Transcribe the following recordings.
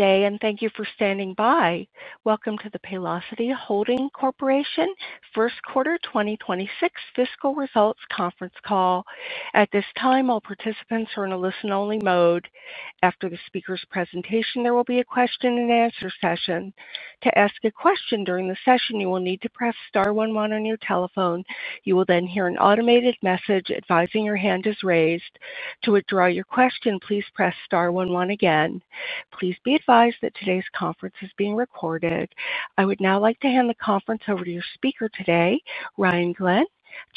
day and thank you for standing by. Welcome to the Paylocity Holding Corporation first quarter 2026 fiscal results conference call. At this time, all participants are in a listen-only mode. After the speaker's presentation, there will be a question-and-answer session. To ask a question during the session, you will need to press star one one on your telephone. You will then hear an automated message advising your hand is raised. To withdraw your question, please press star one one again. Please be advised that today's conference is being recorded. I would now like to hand the conference over to your speaker today, Ryan Glenn,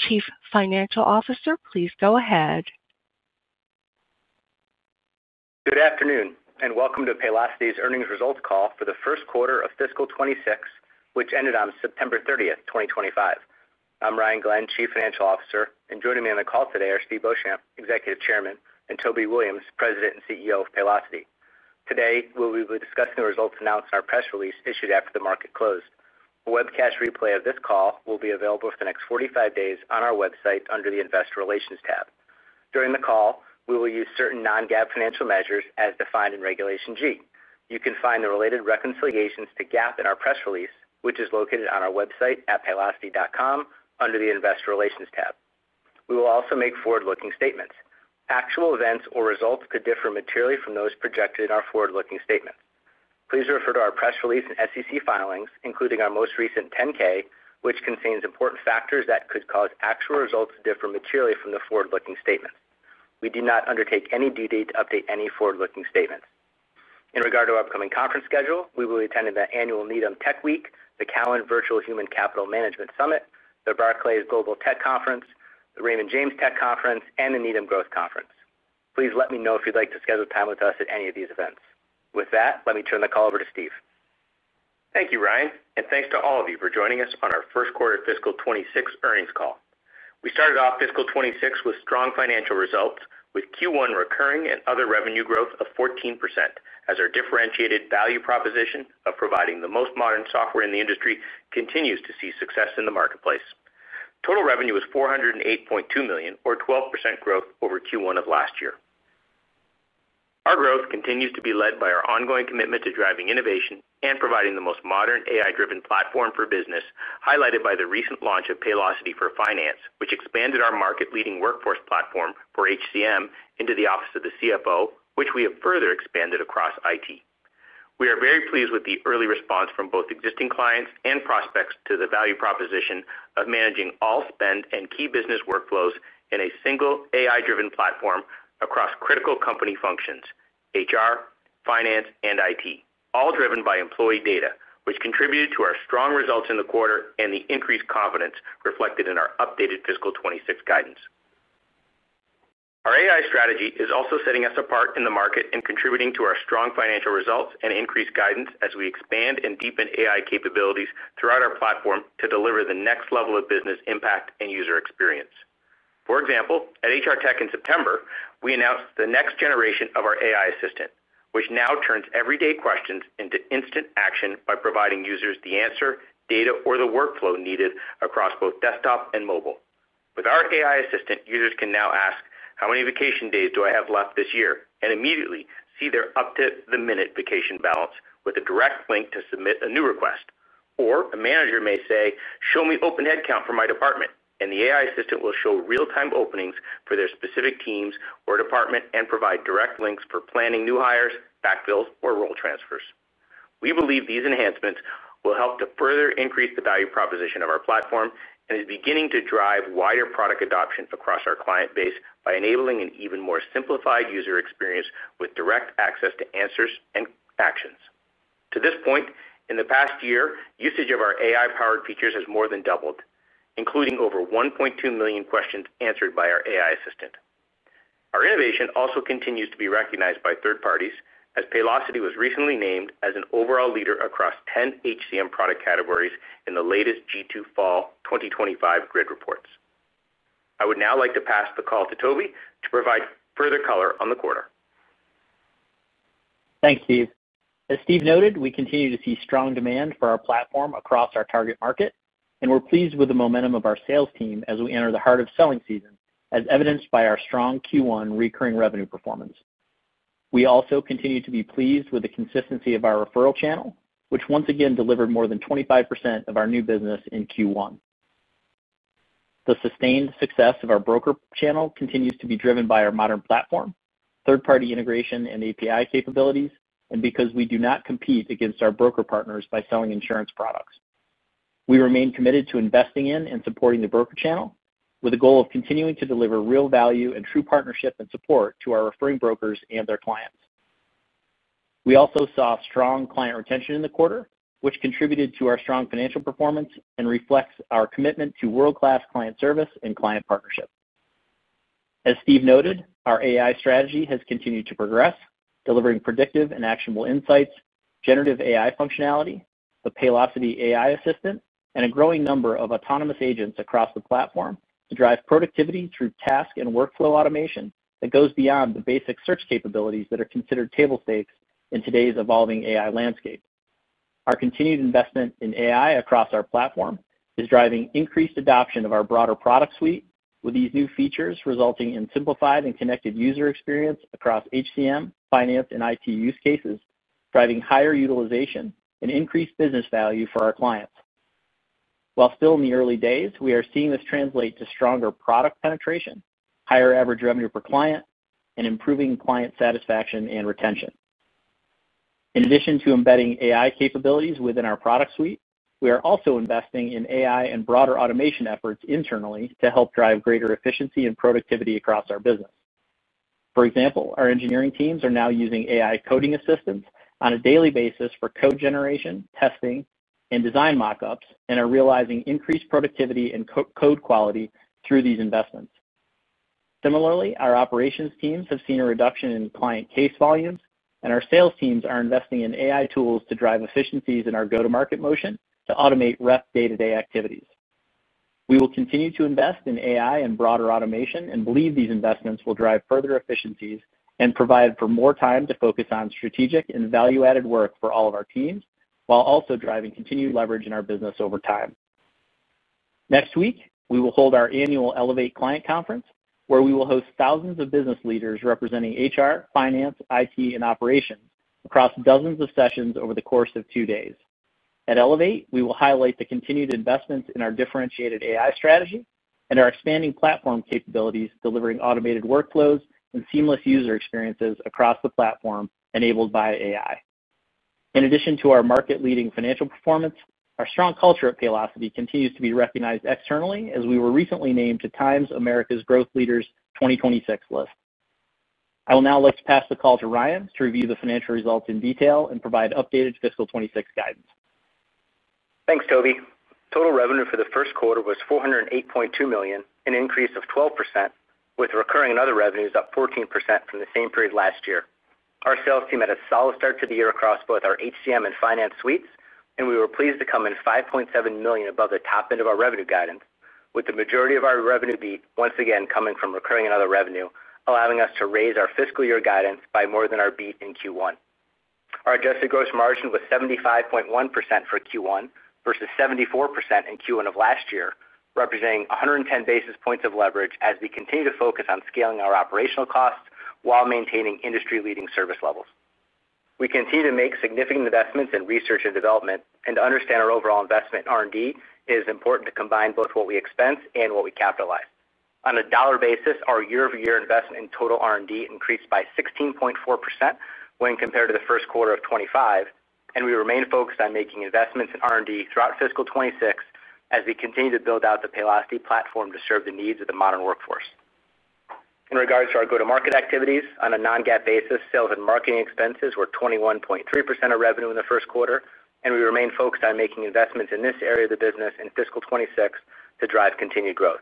Chief Financial Officer. Please go ahead. Good afternoon and welcome to Paylocity's earnings results call for the first quarter of fiscal 2026, which ended on September 30th, 2025. I'm Ryan Glenn, Chief Financial Officer, and joining me on the call today are Steve Beauchamp, Executive Chairman, and Toby Williams, President and CEO of Paylocity. Today, we will be discussing the results announced in our press release issued after the market closed. A webcast replay of this call will be available for the next 45 days on our website under the Investor Relations tab. During the call, we will use certain non-GAAP financial measures as defined in Regulation G. You can find the related reconciliations to GAAP in our press release, which is located on our website at paylocity.com under the Investor Relations tab. We will also make forward-looking statements. Actual events or results could differ materially from those projected in our forward-looking statements. Please refer to our press release and SEC filings, including our most recent 10-K, which contains important factors that could cause actual results to differ materially from the forward-looking statements. We do not undertake any duty to update any forward-looking statements. In regard to our upcoming conference schedule, we will be attending the annual Needham Tech Week, the Cowen Virtual Human Capital Management Summit, the Barclays Global Tech Conference, the Raymond James Tech Conference, and the Needham Growth Conference. Please let me know if you'd like to schedule time with us at any of these events. With that, let me turn the call over to Steve. Thank you, Ryan, and thanks to all of you for joining us on our first quarter fiscal 2026 earnings call. We started off fiscal 2026 with strong financial results, with Q1 recurring and other revenue growth of 14%, as our differentiated value proposition of providing the most modern software in the industry continues to see success in the marketplace. Total revenue was $408.2 million, or 12% growth over Q1 of last year. Our growth continues to be led by our ongoing commitment to driving innovation and providing the most modern AI-driven platform for business, highlighted by the recent launch of Paylocity for Finance, which expanded our market-leading workforce platform for HCM into the office of the CFO, which we have further expanded across IT. We are very pleased with the early response from both existing clients and prospects to the value proposition of managing all spend and key business workflows in a single AI-driven platform across critical company functions: HR, finance, and IT, all driven by employee data, which contributed to our strong results in the quarter and the increased confidence reflected in our updated fiscal 2026 guidance. Our AI strategy is also setting us apart in the market and contributing to our strong financial results and increased guidance as we expand and deepen AI capabilities throughout our platform to deliver the next level of business impact and user experience. For example, at HR Tech in September, we announced the next generation of our AI assistant, which now turns everyday questions into instant action by providing users the answer, data, or the workflow needed across both desktop and mobile. With our AI assistant, users can now ask, "How many vacation days do I have left this year?" and immediately see their up-to-the-minute vacation balance with a direct link to submit a new request. Or a manager may say, "Show me open headcount for my department," and the AI assistant will show real-time openings for their specific teams or department and provide direct links for planning new hires, backfills, or role transfers. We believe these enhancements will help to further increase the value proposition of our platform and is beginning to drive wider product adoption across our client base by enabling an even more simplified user experience with direct access to answers and actions. To this point, in the past year, usage of our AI-powered features has more than doubled, including over 1.2 million questions answered by our AI assistant. Our innovation also continues to be recognized by third parties, as Paylocity was recently named as an overall leader across 10 HCM product categories in the latest G2 Fall 2025 grid reports. I would now like to pass the call to Toby to provide further color on the quarter. Thanks, Steve. As Steve noted, we continue to see strong demand for our platform across our target market, and we're pleased with the momentum of our sales team as we enter the heart of selling season, as evidenced by our strong Q1 recurring revenue performance. We also continue to be pleased with the consistency of our referral channel, which once again delivered more than 25% of our new business in Q1. The sustained success of our broker channel continues to be driven by our modern platform, third-party integration, and API capabilities, and because we do not compete against our broker partners by selling insurance products. We remain committed to investing in and supporting the broker channel with a goal of continuing to deliver real value and true partnership and support to our referring brokers and their clients. We also saw strong client retention in the quarter, which contributed to our strong financial performance and reflects our commitment to world-class client service and client partnership. As Steve noted, our AI strategy has continued to progress, delivering predictive and actionable insights, generative AI functionality, the Paylocity AI Assistant, and a growing number of autonomous agents across the platform to drive productivity through task and workflow automation that goes beyond the basic search capabilities that are considered table stakes in today's evolving AI landscape. Our continued investment in AI across our platform is driving increased adoption of our broader product suite, with these new features resulting in simplified and connected user experience across HCM, finance, and IT use cases, driving higher utilization and increased business value for our clients. While still in the early days, we are seeing this translate to stronger product penetration, higher average revenue per client, and improving client satisfaction and retention. In addition to embedding AI capabilities within our product suite, we are also investing in AI and broader automation efforts internally to help drive greater efficiency and productivity across our business. For example, our engineering teams are now using AI coding assistants on a daily basis for code generation, testing, and design mockups, and are realizing increased productivity and code quality through these investments. Similarly, our operations teams have seen a reduction in client case volumes, and our sales teams are investing in AI tools to drive efficiencies in our go-to-market motion to automate rep day-to-day activities. We will continue to invest in AI and broader automation and believe these investments will drive further efficiencies and provide for more time to focus on strategic and value-added work for all of our teams, while also driving continued leverage in our business over time. Next week, we will hold our annual Elevate Client Conference, where we will host thousands of business leaders representing HR, finance, IT, and operations across dozens of sessions over the course of two days. At Elevate, we will highlight the continued investments in our differentiated AI strategy and our expanding platform capabilities, delivering automated workflows and seamless user experiences across the platform enabled by AI. In addition to our market-leading financial performance, our strong culture at Paylocity continues to be recognized externally as we were recently named to TIME's America's Growth Leaders 2026 list. I will now like to pass the call to Ryan to review the financial results in detail and provide updated fiscal 2026 guidance. Thanks, Toby. Total revenue for the first quarter was $408.2 million, an increase of 12%, with recurring and other revenues up 14% from the same period last year. Our sales team had a solid start to the year across both our HCM and finance suites, and we were pleased to come in $5.7 million above the top end of our revenue guidance, with the majority of our revenue beat once again coming from recurring and other revenue, allowing us to raise our fiscal year guidance by more than our beat in Q1. Our adjusted gross margin was 75.1% for Q1 versus 74% in Q1 of last year, representing 110 basis points of leverage as we continue to focus on scaling our operational costs while maintaining industry-leading service levels. We continue to make significant investments in research and development, and to understand our overall investment in R&D is important to combine both what we expense and what we capitalize. On a dollar basis, our year-over-year investment in total R&D increased by 16.4% when compared to the first quarter of 2025, and we remain focused on making investments in R&D throughout fiscal 2026 as we continue to build out the Paylocity platform to serve the needs of the modern workforce. In regards to our go-to-market activities, on a non-GAAP basis, sales and marketing expenses were 21.3% of revenue in the first quarter, and we remain focused on making investments in this area of the business in fiscal 2026 to drive continued growth.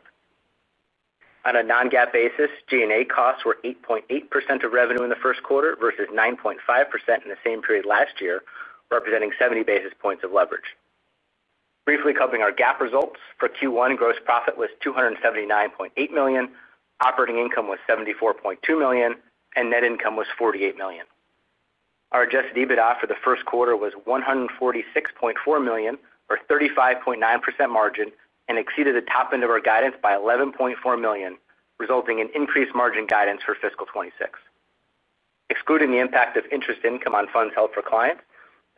On a non-GAAP basis, G&A costs were 8.8% of revenue in the first quarter versus 9.5% in the same period last year, representing 70 basis points of leverage. Briefly covering our GAAP results, for Q1, gross profit was $279.8 million, operating income was $74.2 million, and net income was $48 million. Our Adjusted EBITDA for the first quarter was $146.4 million, or 35.9% margin, and exceeded the top end of our guidance by $11.4 million, resulting in increased margin guidance for fiscal 2026. Excluding the impact of interest income on funds held for clients,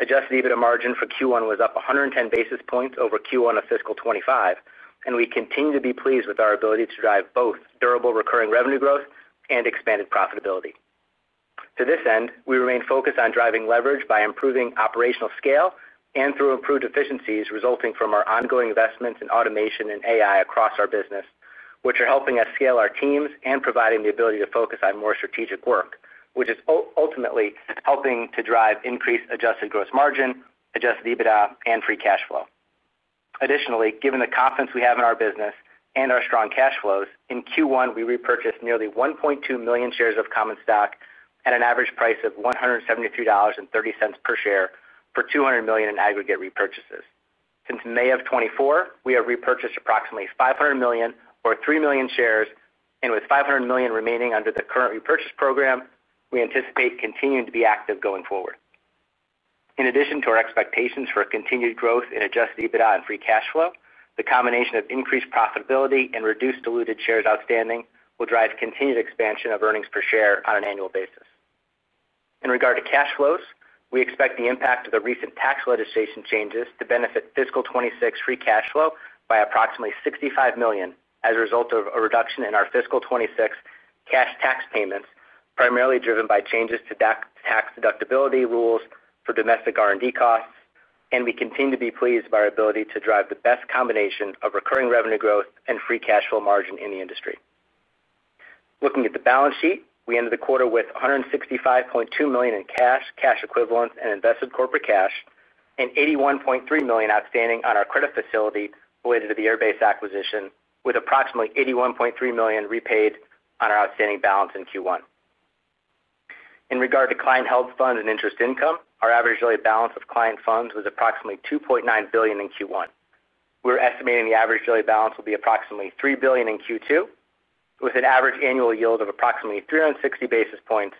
Adjusted EBITDA margin for Q1 was up 110 basis points over Q1 of fiscal 2025, and we continue to be pleased with our ability to drive both durable recurring revenue growth and expanded profitability. To this end, we remain focused on driving leverage by improving operational scale and through improved efficiencies resulting from our ongoing investments in automation and AI across our business, which are helping us scale our teams and providing the ability to focus on more strategic work, which is ultimately helping to drive increased adjusted gross margin, Adjusted EBITDA, and free cash flow. Additionally, given the confidence we have in our business and our strong cash flows, in Q1, we repurchased nearly 1.2 million shares of common stock at an average price of $173.30 per share for $200 million in aggregate repurchases. Since May of 2024, we have repurchased approximately $500 million, or 3 million shares, and with $500 million remaining under the current repurchase program, we anticipate continuing to be active going forward. In addition to our expectations for continued growth in Adjusted EBITDA and free cash flow, the combination of increased profitability and reduced diluted shares outstanding will drive continued expansion of earnings per share on an annual basis. In regard to cash flows, we expect the impact of the recent tax legislation changes to benefit fiscal 2026 free cash flow by approximately $65 million as a result of a reduction in our fiscal 2026 cash tax payments, primarily driven by changes to tax deductibility rules for domestic R&D costs, and we continue to be pleased by our ability to drive the best combination of recurring revenue growth and free cash flow margin in the industry. Looking at the balance sheet, we ended the quarter with $165.2 million in cash, cash equivalents, and invested corporate cash, and $81.3 million outstanding on our credit facility related to the Airbase acquisition, with approximately $81.3 million repaid on our outstanding balance in Q1. In regard to client held funds and interest income, our average daily balance of client funds was approximately $2.9 billion in Q1. We're estimating the average daily balance will be approximately $3 billion in Q2, with an average annual yield of approximately 360 basis points,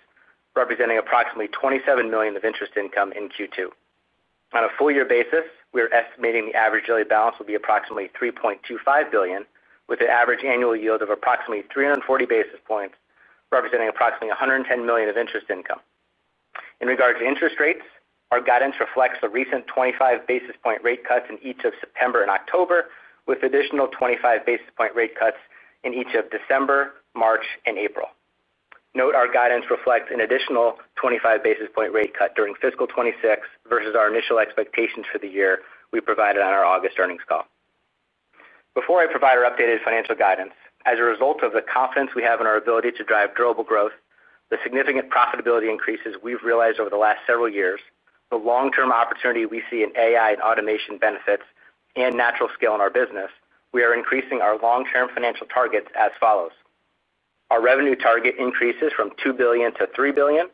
representing approximately $27 million of interest income in Q2. On a full-year basis, we're estimating the average daily balance will be approximately $3.25 billion, with an average annual yield of approximately 340 basis points, representing approximately $110 million of interest income. In regard to interest rates, our guidance reflects the recent 25 basis point rate cuts in each of September and October, with additional 25 basis point rate cuts in each of December, March, and April. Note, our guidance reflects an additional 25 basis point rate cut during fiscal 2026 versus our initial expectations for the year we provided on our August earnings call. Before I provide our updated financial guidance, as a result of the confidence we have in our ability to drive durable growth, the significant profitability increases we've realized over the last several years, the long-term opportunity we see in AI and automation benefits, and natural scale in our business, we are increasing our long-term financial targets as follows. Our revenue target increases from $2 billion to $3 billion.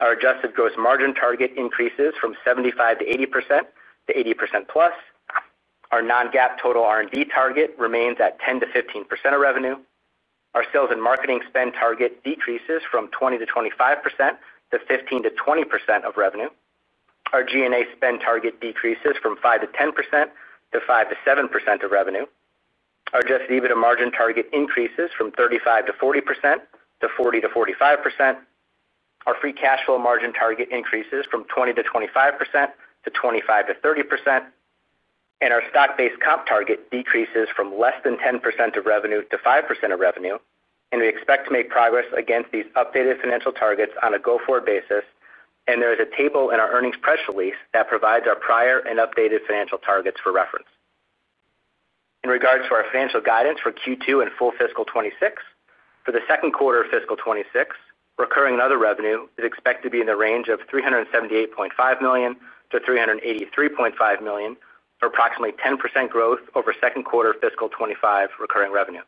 Our adjusted gross margin target increases from 75% to 80%-80%+. Our non-GAAP total R&D target remains at 10%-15% of revenue. Our sales and marketing spend target decreases from 20%-25% to 15%-20% of revenue. Our G&A spend target decreases from 5%-10% to 5%-7% of revenue. Our Adjusted EBITDA margin target increases from 35%-40% to 40%-45%. Our free cash flow margin target increases from 20%-25% to 25%-30%. Our stock-based comp target decreases from less than 10% of revenue to 5% of revenue, and we expect to make progress against these updated financial targets on a go-forward basis. There is a table in our earnings press release that provides our prior and updated financial targets for reference. In regards to our financial guidance for Q2 and full fiscal 2026, for the second quarter of fiscal 2026, recurring and other revenue is expected to be in the range of $378.5 million-$383.5 million, or approximately 10% growth over second quarter of fiscal 2025 recurring revenue.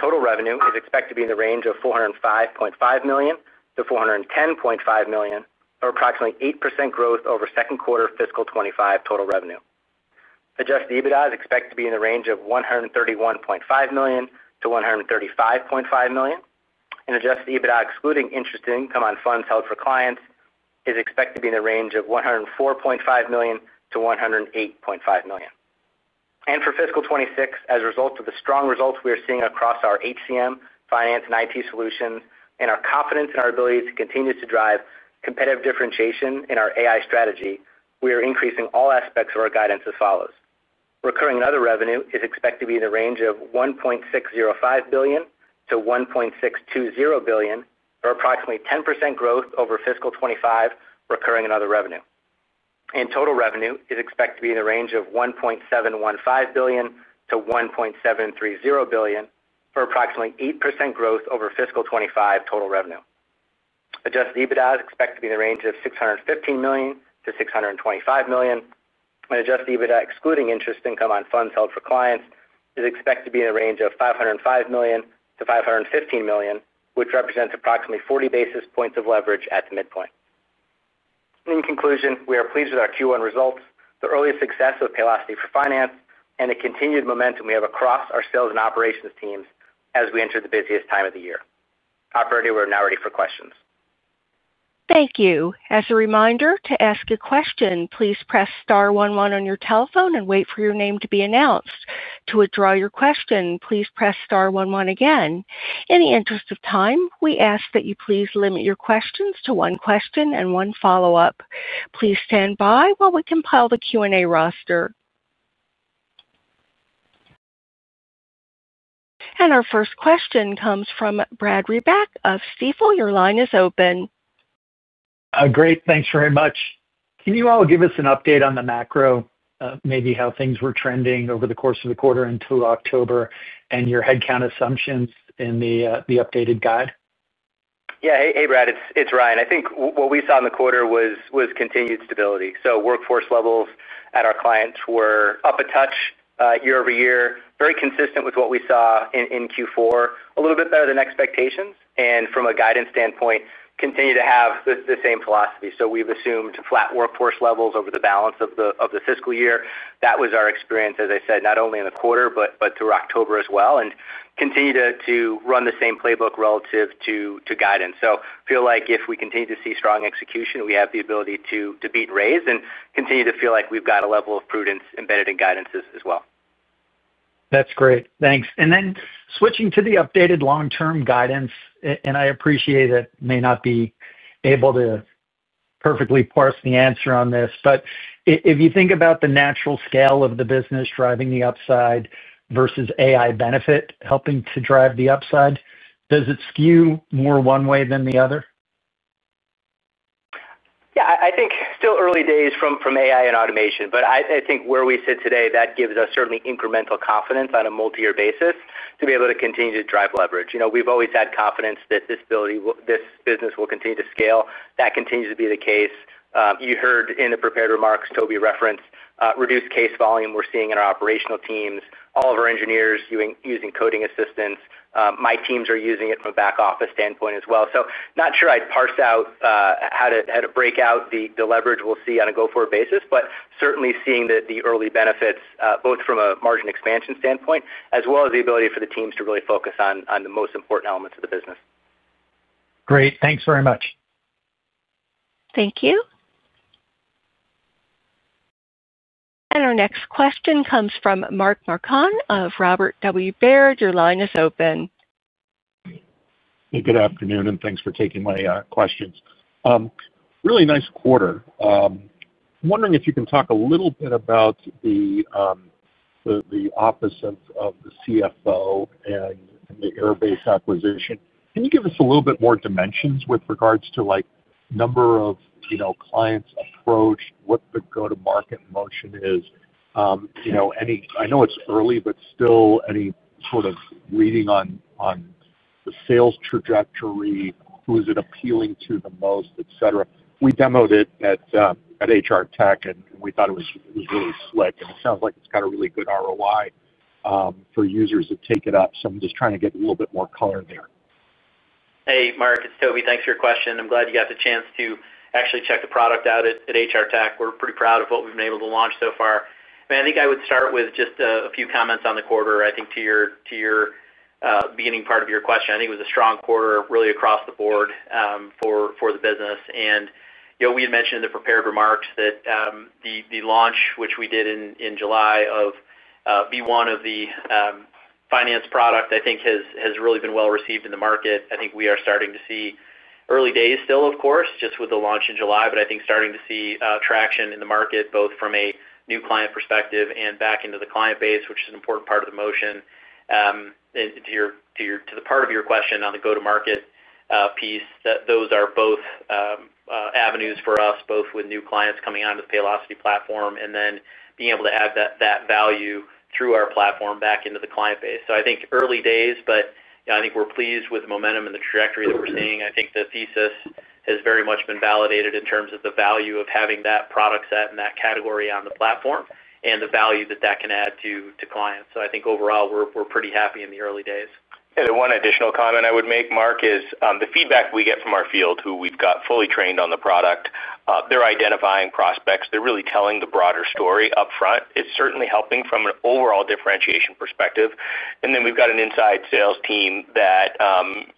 Total revenue is expected to be in the range of $405.5 million-$410.5 million, or approximately 8% growth over second quarter of fiscal 2025 total revenue. Adjusted EBITDA is expected to be in the range of $131.5 million-$135.5 million, and Adjusted EBITDA, excluding interest income on funds held for clients, is expected to be in the range of $104.5 million-$108.5 million. For fiscal 2026, as a result of the strong results we are seeing across our HCM, finance, and IT solutions, and our confidence in our ability to continue to drive competitive differentiation in our AI strategy, we are increasing all aspects of our guidance as follows. Recurring and other revenue is expected to be in the range of $1.605 billion-$1.620 billion, or approximately 10% growth over fiscal 2025 recurring and other revenue. Total revenue is expected to be in the range of $1.715 billion-$1.730 billion, or approximately 8% growth over fiscal 2025 total revenue. Adjusted EBITDA is expected to be in the range of $615 million-$625 million, and Adjusted EBITDA, excluding interest income on funds held for clients, is expected to be in the range of $505 million-$515 million, which represents approximately 40 basis points of leverage at the midpoint. In conclusion, we are pleased with our Q1 results, the early success of Paylocity for Finance, and the continued momentum we have across our sales and operations teams as we enter the busiest time of the year. Operator, we're now ready for questions. Thank you. As a reminder, to ask a question, please press star one one on your telephone and wait for your name to be announced. To withdraw your question, please press star one one again. In the interest of time, we ask that you please limit your questions to one question and one follow-up. Please stand by while we compile the Q&A roster. And our first question comes from Brad Reback of Stifel. Your line is open. Great. Thanks very much. Can you all give us an update on the macro, maybe how things were trending over the course of the quarter into October, and your headcount assumptions in the updated guide? Yeah. Hey, Brad. It's Ryan. I think what we saw in the quarter was continued stability, so workforce levels at our clients were up a touch year over year, very consistent with what we saw in Q4, a little bit better than expectations, and, from a guidance standpoint, continue to have the same philosophy, so we've assumed flat workforce levels over the balance of the fiscal year. That was our experience, as I said, not only in the quarter but through October as well, and continue to run the same playbook relative to guidance, so I feel like if we continue to see strong execution, we have the ability to beat raise and continue to feel like we've got a level of prudence embedded in guidance as well. That's great. Thanks. And then switching to the updated long-term guidance, and I appreciate that I may not be able to perfectly parse the answer on this, but if you think about the natural scale of the business driving the upside versus AI benefit helping to drive the upside, does it skew more one way than the other? Yeah. I think still early days from AI and automation, but I think where we sit today, that gives us certainly incremental confidence on a multi-year basis to be able to continue to drive leverage. We've always had confidence that this business will continue to scale. That continues to be the case. You heard in the prepared remarks, Toby, reference reduced case volume we're seeing in our operational teams, all of our engineers using coding assistance. My teams are using it from a back office standpoint as well. So not sure I'd parse out how to break out the leverage we'll see on a go-forward basis, but certainly seeing the early benefits both from a margin expansion standpoint as well as the ability for the teams to really focus on the most important elements of the business. Great. Thanks very much. Thank you. And our next question comes from Mark Marcon of Robert W. Baird. Your line is open. Hey, good afternoon, and thanks for taking my questions. Really nice quarter. I'm wondering if you can talk a little bit about the Office of the CFO and the Airbase acquisition. Can you give us a little bit more dimensions with regards to number of clients approached, what the go-to-market motion is? I know it's early, but still any sort of reading on the sales trajectory, who is it appealing to the most, etc.? We demoed it at HR Tech, and we thought it was really slick, and it sounds like it's got a really good ROI for users to take it up. So I'm just trying to get a little bit more color in there. Hey, Mark. It's Toby. Thanks for your question. I'm glad you got the chance to actually check the product out at HR Tech. We're pretty proud of what we've been able to launch so far. I mean, I think I would start with just a few comments on the quarter. I think, to your beginning part of your question, I think it was a strong quarter really across the board for the business. And we had mentioned in the prepared remarks that the launch, which we did in July of v1 of the Finance product, I think, has really been well received in the market. I think we are starting to see early days still, of course, just with the launch in July, but I think starting to see traction in the market both from a new client perspective and back into the client base, which is an important part of the motion. And to the part of your question on the go-to-market piece, those are both avenues for us, both with new clients coming onto the Paylocity platform and then being able to add that value through our platform back into the client base. So I think early days, but I think we're pleased with the momentum and the trajectory that we're seeing. I think the thesis has very much been validated in terms of the value of having that product set and that category on the platform and the value that that can add to clients. So I think overall, we're pretty happy in the early days. Yeah. The one additional comment I would make, Mark, is the feedback we get from our field, who we've got fully trained on the product, they're identifying prospects. They're really telling the broader story upfront. It's certainly helping from an overall differentiation perspective. And then we've got an inside sales team that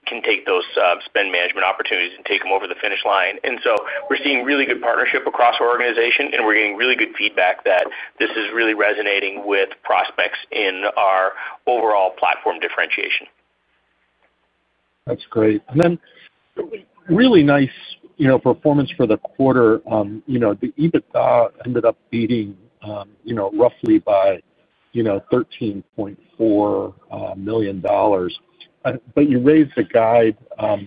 can take those spend management opportunities and take them over the finish line. And so we're seeing really good partnership across our organization, and we're getting really good feedback that this is really resonating with prospects in our overall platform differentiation. That's great. And then, really nice performance for the quarter. The EBITDA ended up beating roughly by $13.4 million. But you raised the guide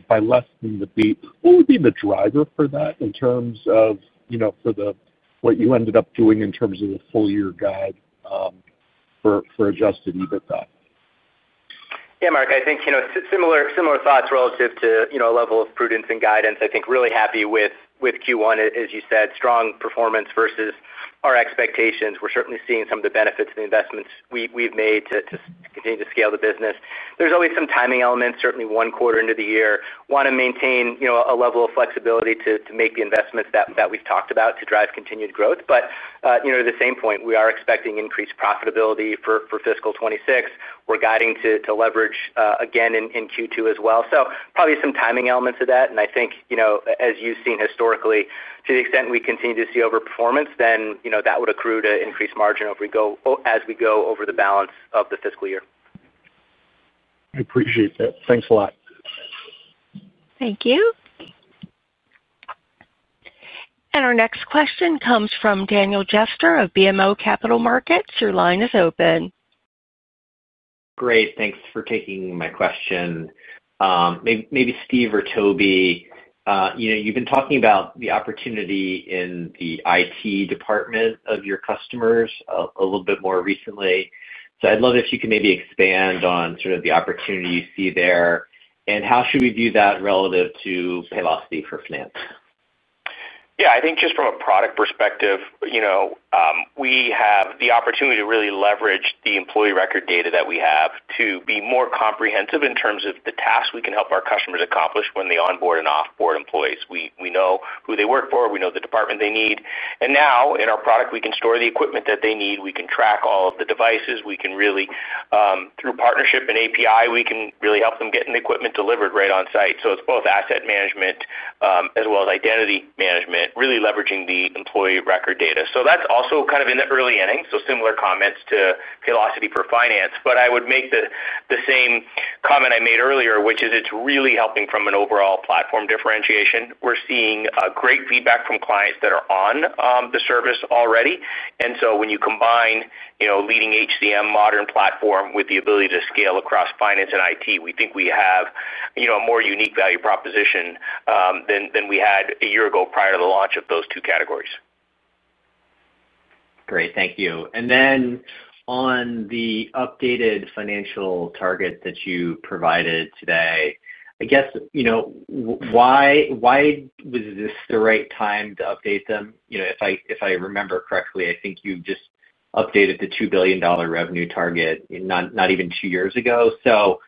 by less than the beat. What would be the driver for that in terms of what you ended up doing in terms of the full-year guide for Adjusted EBITDA? Yeah, Mark. I think similar thoughts relative to a level of prudence and guidance. I think really happy with Q1, as you said, strong performance versus our expectations. We're certainly seeing some of the benefits of the investments we've made to continue to scale the business. There's always some timing elements, certainly one quarter into the year, want to maintain a level of flexibility to make the investments that we've talked about to drive continued growth. But to the same point, we are expecting increased profitability for fiscal 2026. We're guiding to leverage again in Q2 as well. So probably some timing elements of that. And I think, as you've seen historically, to the extent we continue to see overperformance, then that would accrue to increased margin as we go over the balance of the fiscal year. I appreciate that. Thanks a lot. Thank you. And our next question comes from Daniel Jester of BMO Capital Markets. Your line is open. Great. Thanks for taking my question. Maybe Steve or Toby. You've been talking about the opportunity in the IT department of your customers a little bit more recently. So I'd love if you could maybe expand on sort of the opportunity you see there. And how should we view that relative to Paylocity for Finance? Yeah. I think just from a product perspective. We have the opportunity to really leverage the employee record data that we have to be more comprehensive in terms of the tasks we can help our customers accomplish when they onboard and offboard employees. We know who they work for. We know the department they need. And now, in our product, we can store the equipment that they need. We can track all of the devices. Through partnership and API, we can really help them get the equipment delivered right on site. So it's both asset management. As well as identity management, really leveraging the employee record data. So that's also kind of in the early inning, so similar comments to Paylocity for Finance. But I would make the same comment I made earlier, which is it's really helping from an overall platform differentiation. We're seeing great feedback from clients that are on the service already. And so when you combine leading HCM, modern platform with the ability to scale across finance and IT, we think we have a more unique value proposition. Than we had a year ago prior to the launch of those two categories. Great. Thank you. And then on the updated financial target that you provided today, I guess. Why was this the right time to update them? If I remember correctly, I think you just updated the $2 billion revenue target not even two years ago. So.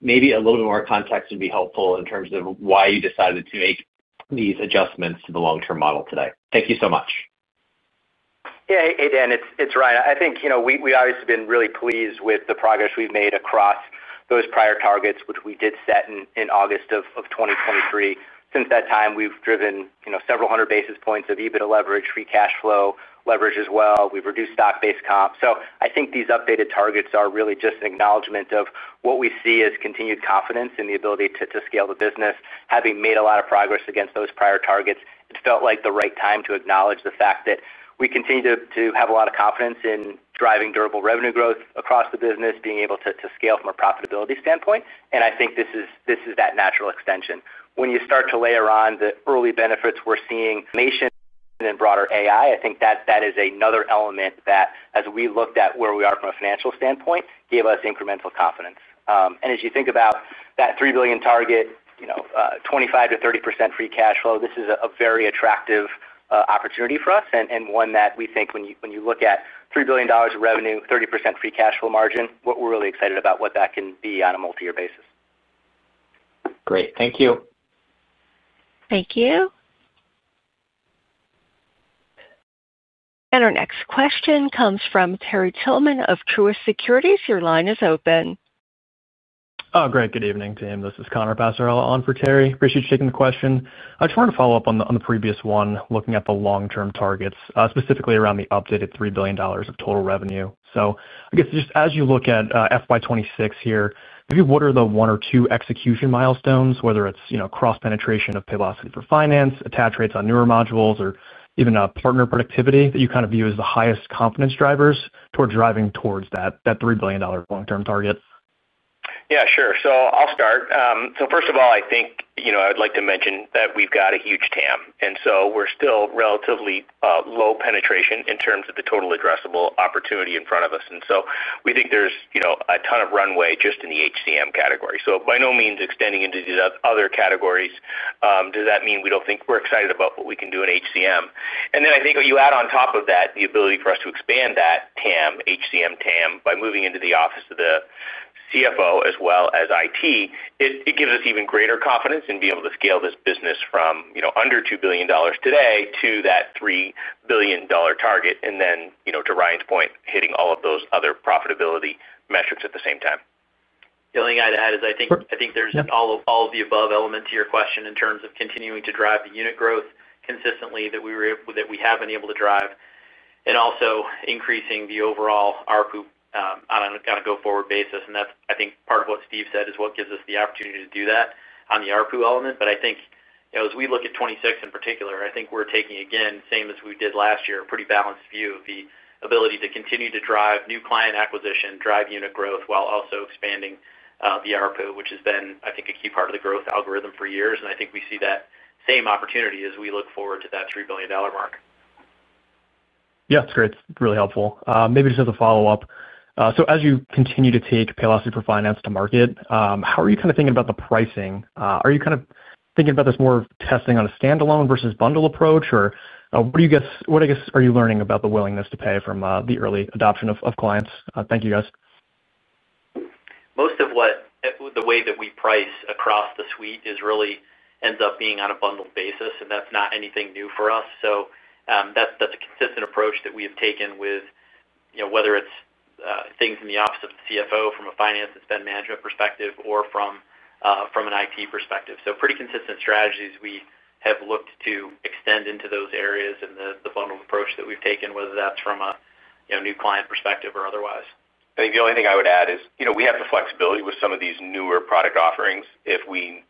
Maybe a little bit more context would be helpful in terms of why you decided to make these adjustments to the long-term model today. Thank you so much. Yeah. Hey, Dan. It's Ryan. I think we've obviously been really pleased with the progress we've made across those prior targets, which we did set in August of 2023. Since that time, we've driven several hundred basis points of EBITDA leverage, free cash flow leverage as well. We've reduced stock-based comp. So I think these updated targets are really just an acknowledgment of what we see as continued confidence in the ability to scale the business. Having made a lot of progress against those prior targets, it felt like the right time to acknowledge the fact that we continue to have a lot of confidence in driving durable revenue growth across the business, being able to scale from a profitability standpoint. And I think this is that natural extension. When you start to layer on the early benefits we're seeing, automation and broader AI, I think that is another element that, as we looked at where we are from a financial standpoint, gave us incremental confidence. As you think about that $3 billion target, 25%-30% free cash flow, this is a very attractive opportunity for us and one that we think when you look at $3 billion of revenue, 30% free cash flow margin, we're really excited about what that can be on a multi-year basis. Great. Thank you. Thank you. Our next question comes from Terry Tillman of Truist Securities. Your line is open. Oh, great. Good evening, team. This is Connor Passarella on for Terry. Appreciate you taking the question. I just wanted to follow up on the previous one, looking at the long-term targets, specifically around the updated $3 billion of total revenue. So I guess just as you look at FY 2026 here, maybe what are the one or two execution milestones, whether it's cross-penetration of Paylocity for Finance, attach rates on newer modules, or even partner productivity that you kind of view as the highest confidence drivers toward driving towards that $3 billion long-term target? Yeah, sure. So I'll start. So first of all, I think I would like to mention that we've got a huge TAM. And so we're still relatively low penetration in terms of the total addressable opportunity in front of us. And so we think there's a ton of runway just in the HCM category. So by no means extending into the other categories does that mean we don't think we're excited about what we can do in HCM. And then I think you add on top of that the ability for us to expand that HCM TAM by moving into the office of the CFO as well as IT. It gives us even greater confidence in being able to scale this business from under $2 billion today to that $3 billion target, and then, to Ryan's point, hitting all of those other profitability metrics at the same time. The only thing I'd add is I think there's all of the above elements to your question in terms of continuing to drive the unit growth consistently that we have been able to drive and also increasing the overall ARPU on a go-forward basis. And I think part of what Steve said is what gives us the opportunity to do that on the ARPU element. But I think as we look at 2026 in particular, I think we're taking, again, same as we did last year, a pretty balanced view of the ability to continue to drive new client acquisition, drive unit growth, while also expanding the ARPU, which has been, I think, a key part of the growth algorithm for years. And I think we see that same opportunity as we look forward to that $3 billion mark. Yeah, that's great. It's really helpful. Maybe just as a follow-up, so as you continue to take Paylocity for Finance to market, how are you kind of thinking about the pricing? Are you kind of thinking about this more of testing on a standalone versus bundle approach? Or what do you guess, what I guess, are you learning about the willingness to pay from the early adoption of clients? Thank you, guys. Most of the way that we price across the suite really ends up being on a bundled basis, and that's not anything new for us. So that's a consistent approach that we have taken with whether it's things in the office of the CFO from a finance and spend management perspective or from an IT perspective. So pretty consistent strategies we have looked to extend into those areas and the bundled approach that we've taken, whether that's from a new client perspective or otherwise. I think the only thing I would add is we have the flexibility with some of these newer product offerings. If we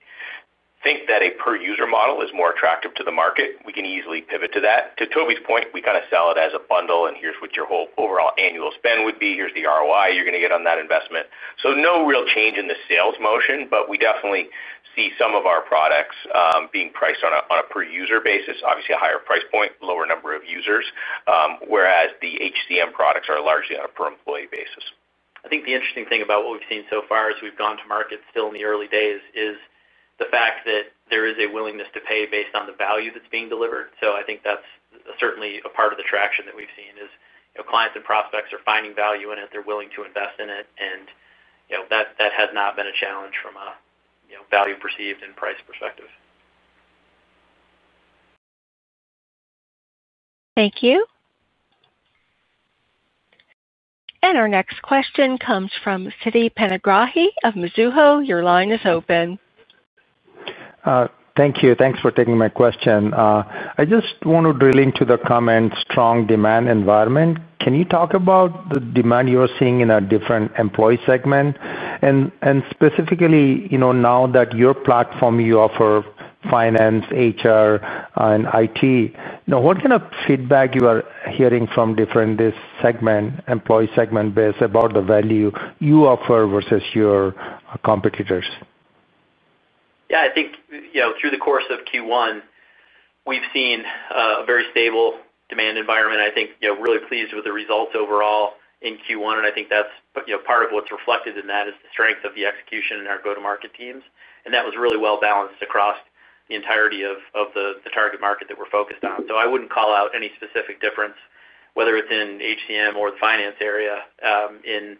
think that a per-user model is more attractive to the market, we can easily pivot to that. To Toby's point, we kind of sell it as a bundle, and here's what your whole overall annual spend would be. Here's the ROI you're going to get on that investment. So no real change in the sales motion, but we definitely see some of our products being priced on a per-user basis, obviously a higher price point, lower number of users, whereas the HCM products are largely on a per-employee basis. I think the interesting thing about what we've seen so far as we've gone to market still in the early days is the fact that there is a willingness to pay based on the value that's being delivered. So I think that's certainly a part of the traction that we've seen is clients and prospects are finding value in it. They're willing to invest in it, and that has not been a challenge from a value perceived and price perspective. Thank you, and our next question comes from Siti Panigrahi of Mizuho. Your line is open. Thank you. Thanks for taking my question. I just want to drill into the comment, strong demand environment. Can you talk about the demand you are seeing in a different employee segment? And specifically, now that your platform, you offer finance, HR, and IT, what kind of feedback you are hearing from different employee segment-based about the value you offer versus your competitors? Yeah. I think through the course of Q1, we've seen a very stable demand environment. I think really pleased with the results overall in Q1. And I think that's part of what's reflected in that is the strength of the execution in our go-to-market teams. And that was really well balanced across the entirety of the target market that we're focused on. So I wouldn't call out any specific difference, whether it's in HCM or the finance area, in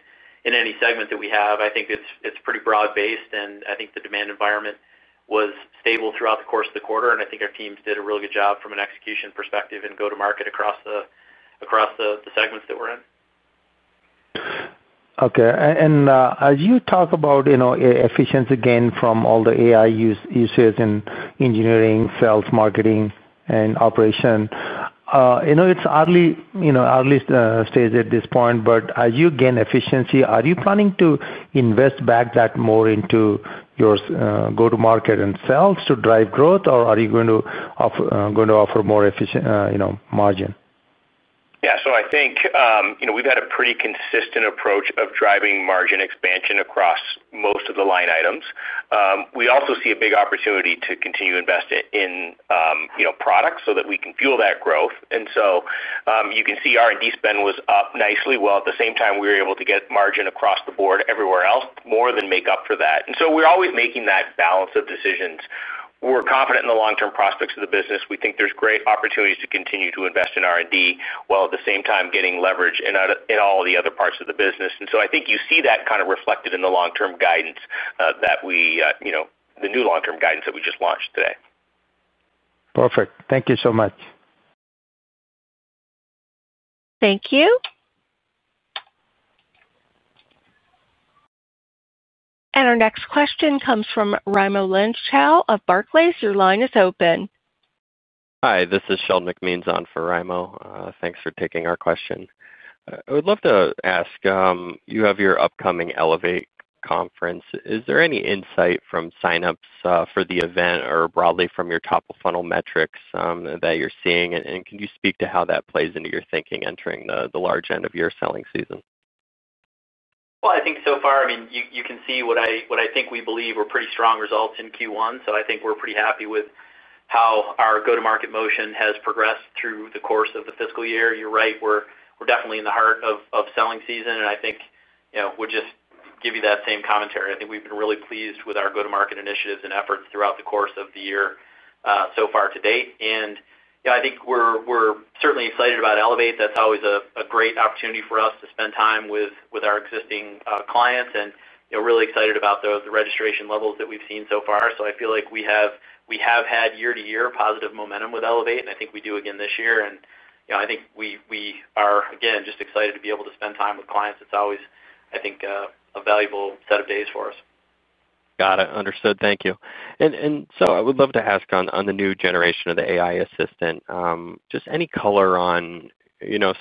any segment that we have. I think it's pretty broad-based, and I think the demand environment was stable throughout the course of the quarter. And I think our teams did a really good job from an execution perspective and go-to-market across the segments that we're in. Okay. And as you talk about efficiency gain from all the AI users in engineering, sales, marketing, and operation. It's early stage at this point, but as you gain efficiency, are you planning to invest back that more into your go-to-market and sales to drive growth, or are you going to offer more efficient margin? Yeah. So I think we've had a pretty consistent approach of driving margin expansion across most of the line items. We also see a big opportunity to continue to invest in products so that we can fuel that growth. And so you can see R&D spend was up nicely. While at the same time, we were able to get margin across the board everywhere else, more than make up for that. And so we're always making that balance of decisions. We're confident in the long-term prospects of the business. We think there's great opportunities to continue to invest in R&D while at the same time getting leverage in all the other parts of the business. And so I think you see that kind of reflected in the long-term guidance that we, the new long-term guidance that we just launched today. Perfect. Thank you so much. Thank you. And our next question comes from Raimo Lenschow of Barclays. Your line is open. Hi, this is Sheldon McMeans on for Raimo Thanks for taking our question. I would love to ask, you have your upcoming Elevate conference. Is there any insight from sign-ups for the event or broadly from your top of funnel metrics that you're seeing? And can you speak to how that plays into your thinking entering the large end of your selling season? Well, I think so far, I mean, you can see what I think we believe were pretty strong results in Q1, so I think we're pretty happy with how our go-to-market motion has progressed through the course of the fiscal year. You're right. We're definitely in the heart of selling season, and I think would just give you that same commentary. I think we've been really pleased with our go-to-market initiatives and efforts throughout the course of the year so far to date, and I think we're certainly excited about Elevate. That's always a great opportunity for us to spend time with our existing clients, and really excited about the registration levels that we've seen so far, so I feel like we have had year-to-year positive momentum with Elevate, and I think we do again this year, and I think we are, again, just excited to be able to spend time with clients. It's always, I think, a valuable set of days for us. Got it. Understood. Thank you. And so I would love to ask on the new generation of the AI assistant, just any color on.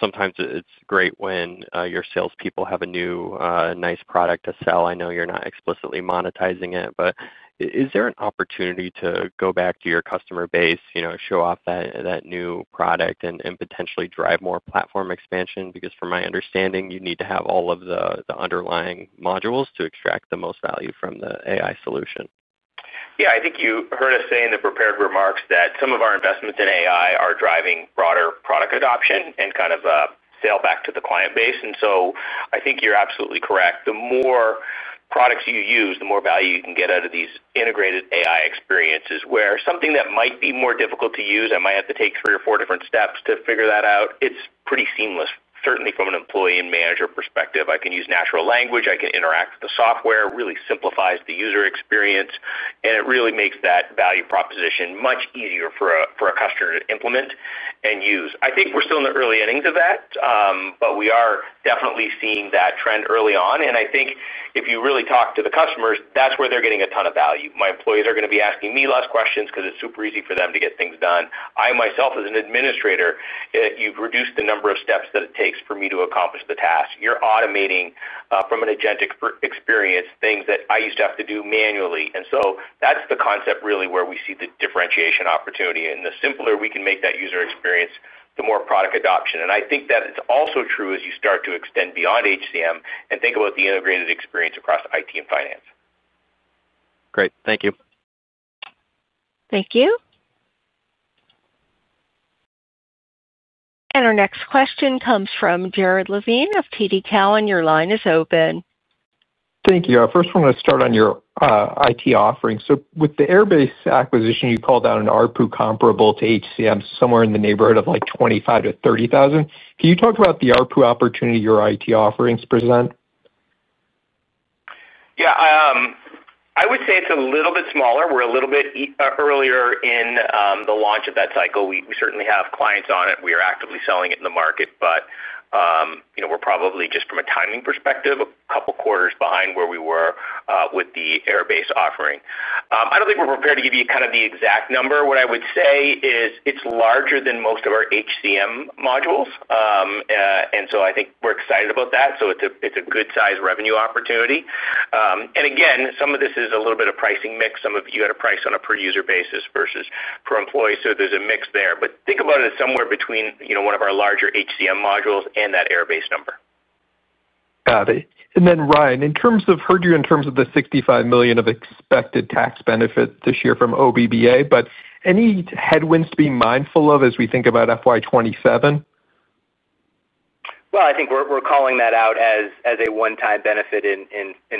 Sometimes it's great when your salespeople have a new, nice product to sell. I know you're not explicitly monetizing it, but is there an opportunity to go back to your customer base, show off that new product, and potentially drive more platform expansion? Because from my understanding, you need to have all of the underlying modules to extract the most value from the AI solution. Yeah. I think you heard us say in the prepared remarks that some of our investments in AI are driving broader product adoption and kind of sale back to the client base. And so I think you're absolutely correct. The more products you use, the more value you can get out of these integrated AI experiences, where something that might be more difficult to use, I might have to take three or four different steps to figure that out. It's pretty seamless, certainly from an employee and manager perspective. I can use natural language. I can interact with the software. It really simplifies the user experience, and it really makes that value proposition much easier for a customer to implement and use. I think we're still in the early innings of that, but we are definitely seeing that trend early on. And I think if you really talk to the customers, that's where they're getting a ton of value. My employees are going to be asking me less questions because it's super easy for them to get things done. I myself, as an administrator, you've reduced the number of steps that it takes for me to accomplish the task. You're automating from an agentic experience things that I used to have to do manually. And so that's the concept really where we see the differentiation opportunity. And the simpler we can make that user experience, the more product adoption. And I think that it's also true as you start to extend beyond HCM and think about the integrated experience across IT and finance. Great. Thank you. Thank you. And our next question comes from Jared Levine of TD Cowen, and your line is open. Thank you. I first want to start on your IT offering. So with the Airbase acquisition, you called out an ARPU comparable to HCM, somewhere in the neighborhood of like $25,000-$30,000. Can you talk about the ARPU opportunity your IT offerings present? Yeah. I would say it's a little bit smaller. We're a little bit earlier in the launch of that cycle. We certainly have clients on it. We are actively selling it in the market, but. We're probably just from a timing perspective, a couple of quarters behind where we were with the Airbase offering. I don't think we're prepared to give you kind of the exact number. What I would say is it's larger than most of our HCM modules. And so I think we're excited about that. So it's a good-sized revenue opportunity. And again, some of this is a little bit of pricing mix. Some of you had a price on a per-user basis versus per employee. So there's a mix there. But think about it as somewhere between one of our larger HCM modules and that Airbase number. Got it. And then, Ryan, in terms of, I heard you in terms of the $65 million of expected tax benefit this year from OBBA, but any headwinds to be mindful of as we think about FY27? I think we're calling that out as a one-time benefit in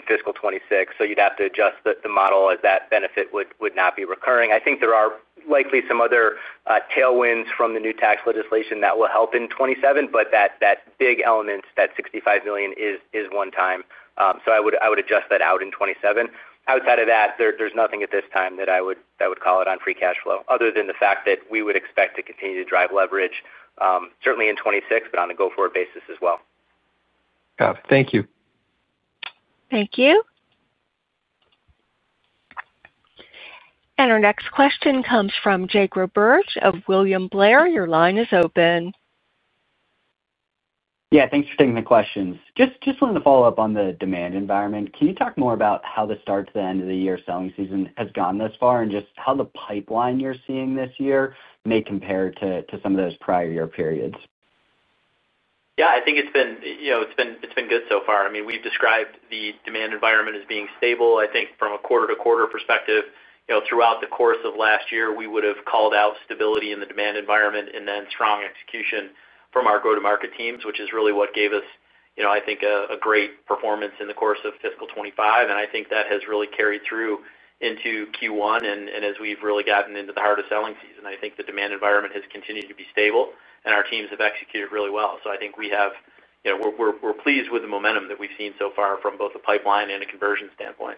fiscal 2026. So you'd have to adjust the model as that benefit would not be recurring. I think there are likely some other tailwinds from the new tax legislation that will help in 2027, but that big element, that $65 million, is one-time. So I would adjust that out in 2027. Outside of that, there's nothing at this time that I would call it on free cash flow, other than the fact that we would expect to continue to drive leverage, certainly in 2026, but on a go-forward basis as well. Got it. Thank you. Thank you. And our next question comes from Jake Roberge of William Blair. Your line is open. Yeah. Thanks for taking the questions. Just wanted to follow up on the demand environment. Can you talk more about how the start to the end of the year selling season has gone thus far and just how the pipeline you're seeing this year may compare to some of those prior year periods? Yeah. I think it's been good so far. I mean, we've described the demand environment as being stable. I think from a quarter-to-quarter perspective, throughout the course of last year, we would have called out stability in the demand environment and then strong execution from our go-to-market teams, which is really what gave us, I think, a great performance in the course of fiscal 2025. And I think that has really carried through into Q1. And as we've really gotten into the heart of selling season, I think the demand environment has continued to be stable, and our teams have executed really well. So I think we have. We're pleased with the momentum that we've seen so far from both the pipeline and a conversion standpoint.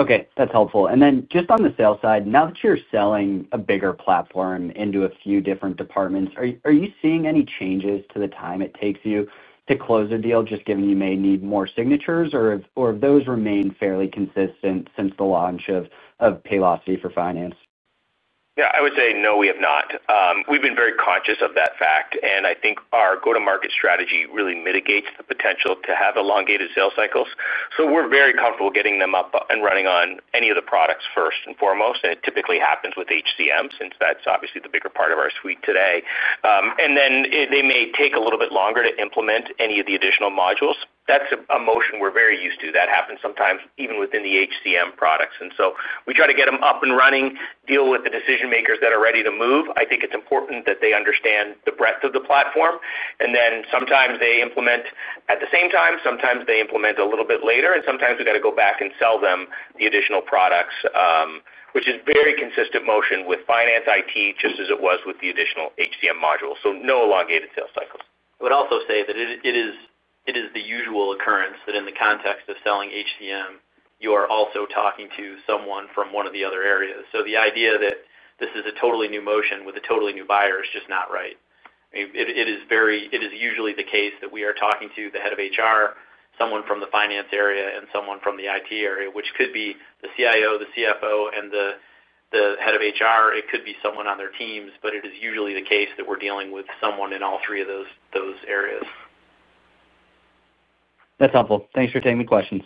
Okay. That's helpful, and then just on the sale side, now that you're selling a bigger platform into a few different departments, are you seeing any changes to the time it takes you to close a deal, just given you may need more signatures, or have those remained fairly consistent since the launch of Paylocity for Finance? Yeah. I would say no, we have not. We've been very conscious of that fact, and I think our go-to-market strategy really mitigates the potential to have elongated sales cycles, so we're very comfortable getting them up and running on any of the products first and foremost, and it typically happens with HCM since that's obviously the bigger part of our suite today, and then they may take a little bit longer to implement any of the additional modules. That's a motion we're very used to. That happens sometimes even within the HCM products, and so we try to get them up and running, deal with the decision-makers that are ready to move. I think it's important that they understand the breadth of the platform, and then sometimes they implement at the same time. Sometimes they implement a little bit later, and sometimes we got to go back and sell them the additional products, which is a very consistent motion with finance IT just as it was with the additional HCM module, so no elongated sales cycles. I would also say that it is the usual occurrence that in the context of selling HCM, you are also talking to someone from one of the other areas, so the idea that this is a totally new motion with a totally new buyer is just not right. I mean, it is usually the case that we are talking to the head of HR, someone from the finance area, and someone from the IT area, which could be the CIO, the CFO, and the head of HR. It could be someone on their teams, but it is usually the case that we're dealing with someone in all three of those areas. That's helpful. Thanks for taking the questions.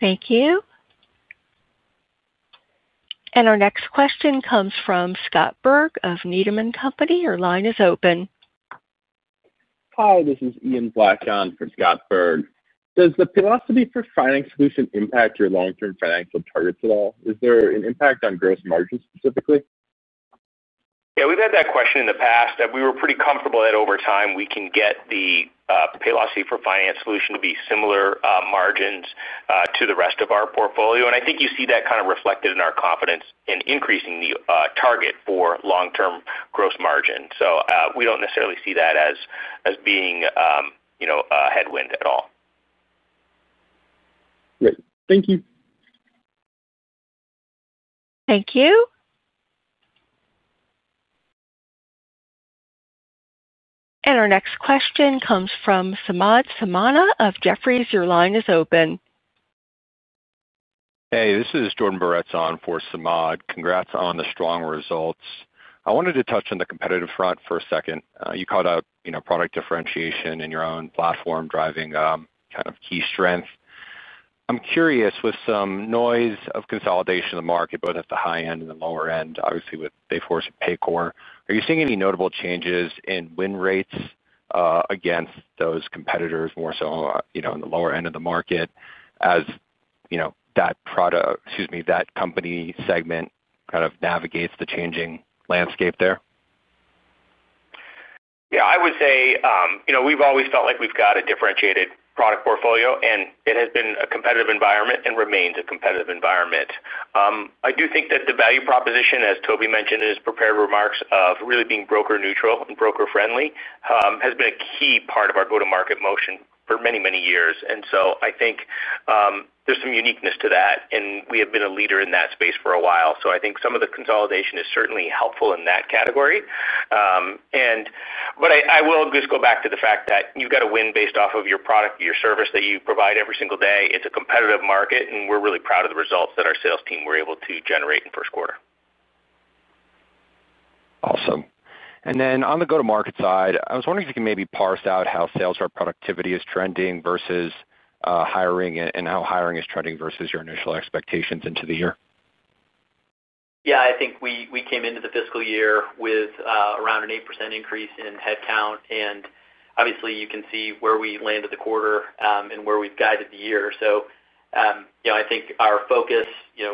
Thank you. And our next question comes from Scott Berg of Needham & Company. Your line is open. Hi, this is Ian Black on for Scott Berg. Does the Paylocity for Finance solution impact your long-term financial targets at all? Is there an impact on gross margins specifically? Yeah. We've had that question in the past. We were pretty comfortable that over time, we can get the Paylocity for Finance solution to be similar margins to the rest of our portfolio. And I think you see that kind of reflected in our confidence in increasing the target for long-term gross margin. So we don't necessarily see that as being a headwind at all. Great. Thank you. Thank you. And our next question comes from Samad Samana of Jefferies. Your line is open. Hey, this is [Jordan Barrett] on for Samad. Congrats on the strong results. I wanted to touch on the competitive front for a second. You called out product differentiation in your own platform driving kind of key strength. I'm curious, with some noise of consolidation in the market, both at the high end and the lower end, obviously with Dayforce and Paycor, are you seeing any notable changes in win rates against those competitors, more so in the lower end of the market, as that company segment kind of navigates the changing landscape there? Yeah. I would say we've always felt like we've got a differentiated product portfolio, and it has been a competitive environment and remains a competitive environment. I do think that the value proposition, as Toby mentioned in his prepared remarks of really being broker-neutral and broker-friendly, has been a key part of our go-to-market motion for many, many years. And so, I think there's some uniqueness to that, and we have been a leader in that space for a while, so I think some of the consolidation is certainly helpful in that category, but I will just go back to the fact that you've got to win based off of your product and your service that you provide every single day. It's a competitive market, and we're really proud of the results that our sales team were able to generate in the first quarter. Awesome. And then on the go-to-market side, I was wondering if you can maybe parse out how sales rep productivity is trending versus hiring and how hiring is trending versus your initial expectations into the year? Yeah. I think we came into the fiscal year with around an 8% increase in headcount, and obviously, you can see where we landed the quarter and where we've guided the year. So, I think our focus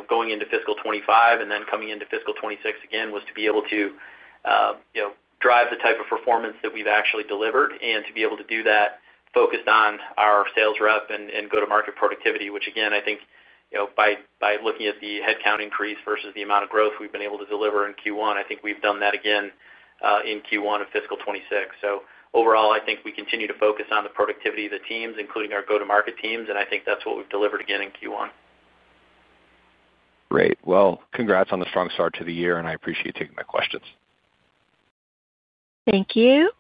going into fiscal 2025 and then coming into fiscal 2026 again was to be able to drive the type of performance that we've actually delivered and to be able to do that focused on our sales rep and go-to-market productivity, which, again, I think by looking at the headcount increase versus the amount of growth we've been able to deliver in Q1, I think we've done that again in Q1 of fiscal 2026, so overall, I think we continue to focus on the productivity of the teams, including our go-to-market teams, and I think that's what we've delivered again in Q1. Great. Well, congrats on the strong start to the year, and I appreciate you taking my questions. Thank you.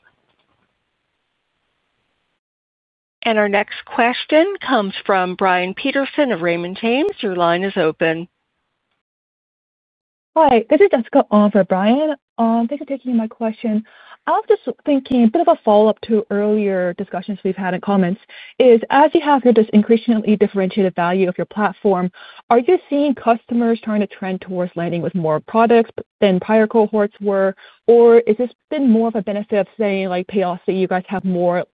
And our next question comes from Brian Peterson of Raymond James. Your line is open. Hi. This is Jessica on for Brian. Thanks for taking my question. I was just thinking a bit of a follow-up to earlier discussions we've had and comments is, as you have this increasingly differentiated value of your platform, are you seeing customers trying to trend towards landing with more products than prior cohorts were, or is this been more of a benefit of saying like Paylocity, you guys have more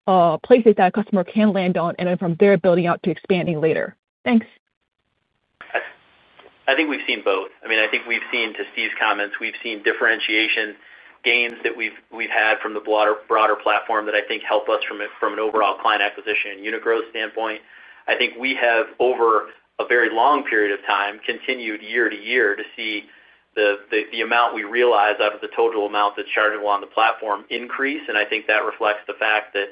places that a customer can land on, and then from there building out to expanding later? Thanks. I think we've seen both. I mean, I think we've seen, to Steve's comments, we've seen differentiation gains that we've had from the broader platform that I think help us from an overall client acquisition and unit growth standpoint. I think we have, over a very long period of time, continued year to year to see the amount we realize out of the total amount that's chargeable on the platform increase. And I think that reflects the fact that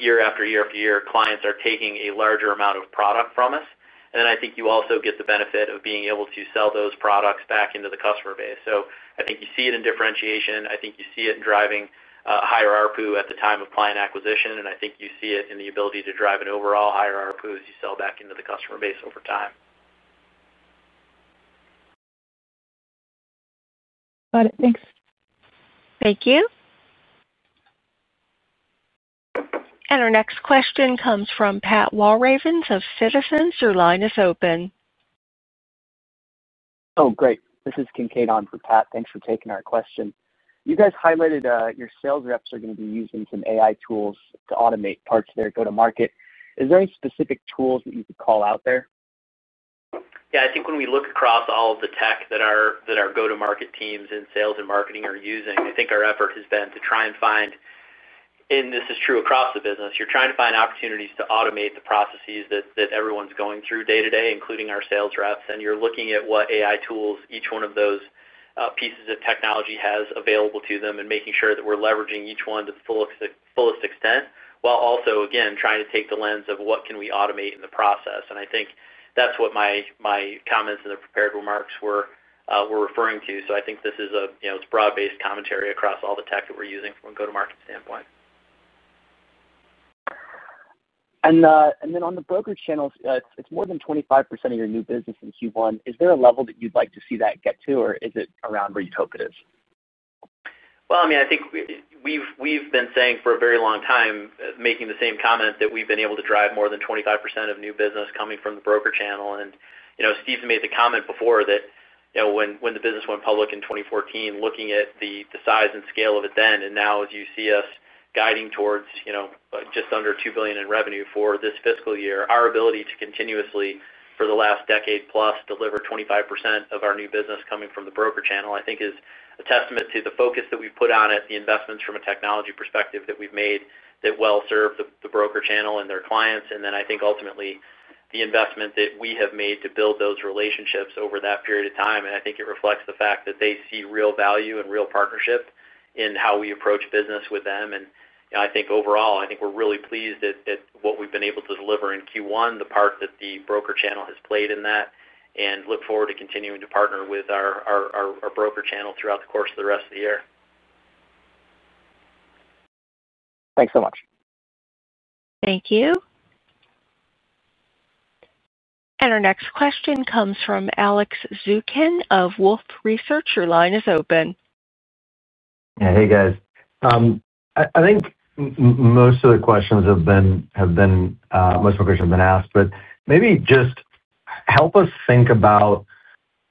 year after year after year, clients are taking a larger amount of product from us. And then I think you also get the benefit of being able to sell those products back into the customer base. So I think you see it in differentiation. I think you see it in driving higher ARPU at the time of client acquisition. And I think you see it in the ability to drive an overall higher ARPU as you sell back into the customer base over time. Got it. Thanks. Thank you. And our next question comes from Pat Walravens of Citizens. Your line is open. Oh, great. This is Kincaid on for Pat. Thanks for taking our question. You guys highlighted your sales reps are going to be using some AI tools to automate parts of their go-to-market. Is there any specific tools that you could call out there? Yeah. I think when we look across all of the tech that our go-to-market teams in sales and marketing are using, I think our effort has been to try and find. And this is true across the business. You're trying to find opportunities to automate the processes that everyone's going through day to day, including our sales reps. And you're looking at what AI tools each one of those pieces of technology has available to them and making sure that we're leveraging each one to the fullest extent while also, again, trying to take the lens of what can we automate in the process. And I think that's what my comments and the prepared remarks were referring to. So I think this is a broad-based commentary across all the tech that we're using from a go-to-market standpoint. Then on the brokerage channels, it's more than 25% of your new business in Q1. Is there a level that you'd like to see that get to, or is it around where you'd hope it is? Well, I mean, I think we've been saying for a very long time, making the same comment, that we've been able to drive more than 25% of new business coming from the broker channel. And Steve made the comment before that. When the business went public in 2014, looking at the size and scale of it then, and now as you see us guiding towards just under $2 billion in revenue for this fiscal year, our ability to continuously, for the last decade plus, deliver 25% of our new business coming from the broker channel, I think, is a testament to the focus that we've put on it, the investments from a technology perspective that we've made that well serve the broker channel and their clients. And then I think ultimately the investment that we have made to build those relationships over that period of time. And I think it reflects the fact that they see real value and real partnership in how we approach business with them. And I think overall, I think we're really pleased at what we've been able to deliver in Q1, the part that the broker channel has played in that, and look forward to continuing to partner with our broker channel throughout the course of the rest of the year. Thanks so much. Thank you. And our next question comes from Alex Zukin of Wolfe Research. Your line is open. Yeah. Hey, guys. I think most of the questions have been asked, but maybe just help us think about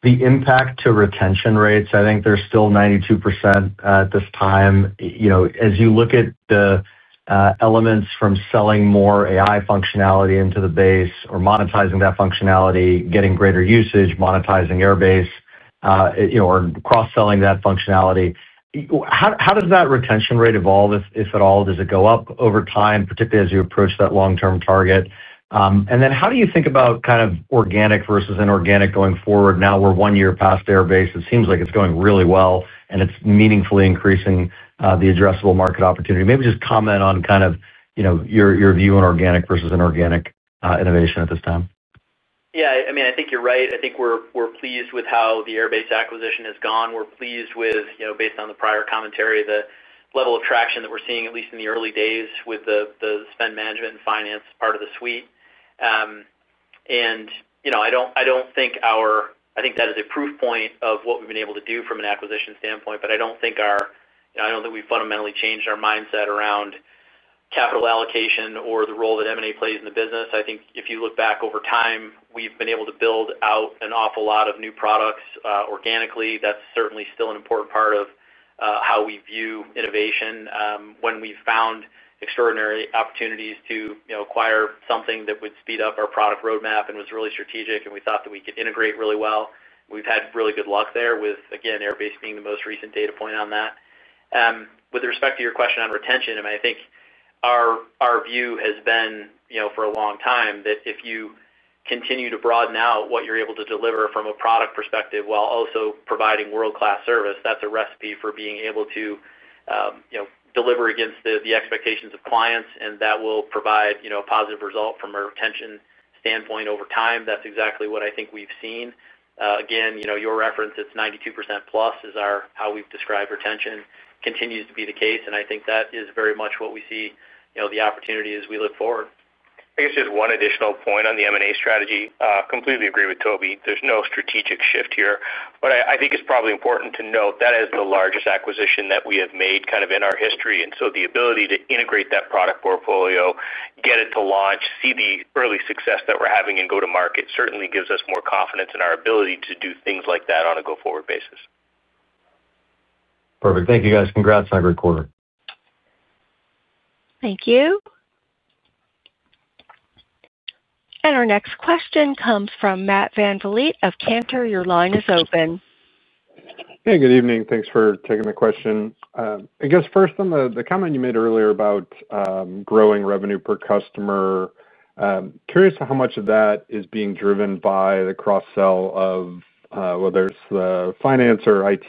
the impact to retention rates. I think they're still 92% at this time. As you look at the elements from selling more AI functionality into the base or monetizing that functionality, getting greater usage, monetizing Airbase, or cross-selling that functionality, how does that retention rate evolve, if at all? Does it go up over time, particularly as you approach that long-term target? And then how do you think about kind of organic versus inorganic going forward now we're one year past Airbase. It seems like it's going really well, and it's meaningfully increasing the addressable market opportunity. Maybe just comment on kind of your view on organic versus inorganic innovation at this time. Yeah. I mean, I think you're right. I think we're pleased with how the Airbase acquisition has gone. We're pleased with, based on the prior commentary, the level of traction that we're seeing, at least in the early days, with the spend management and finance part of the suite. And I don't think—I think that is a proof point of what we've been able to do from an acquisition standpoint, but I don't think—I don't think we've fundamentally changed our mindset around capital allocation or the role that M&A plays in the business. I think if you look back over time, we've been able to build out an awful lot of new products organically. That's certainly still an important part of how we view innovation when we've found extraordinary opportunities to acquire something that would speed up our product roadmap and was really strategic, and we thought that we could integrate really well. We've had really good luck there with, again, Airbase being the most recent data point on that. With respect to your question on retention, I mean, I think our view has been for a long time that if you continue to broaden out what you're able to deliver from a product perspective while also providing world-class service, that's a recipe for being able to deliver against the expectations of clients, and that will provide a positive result from a retention standpoint over time. That's exactly what I think we've seen. Again, your reference, it's 92%+ is how we've described retention. Continues to be the case, and I think that is very much what we see the opportunity as we look forward. I guess just one additional point on the M&A strategy. Completely agree with Toby. There's no strategic shift here, but I think it's probably important to note that is the largest acquisition that we have made kind of in our history, and so the ability to integrate that product portfolio, get it to launch, see the early success that we're having in go-to-market certainly gives us more confidence in our ability to do things like that on a go-forward basis. Perfect. Thank you, guys. Congrats on a great quarter. Thank you. And our next question comes from Matt VanVliet of Cantor. Your line is open. Hey, good evening. Thanks for taking the question. I guess first on the comment you made earlier about growing revenue per customer, curious how much of that is being driven by the cross-sell of whether it's the finance or IT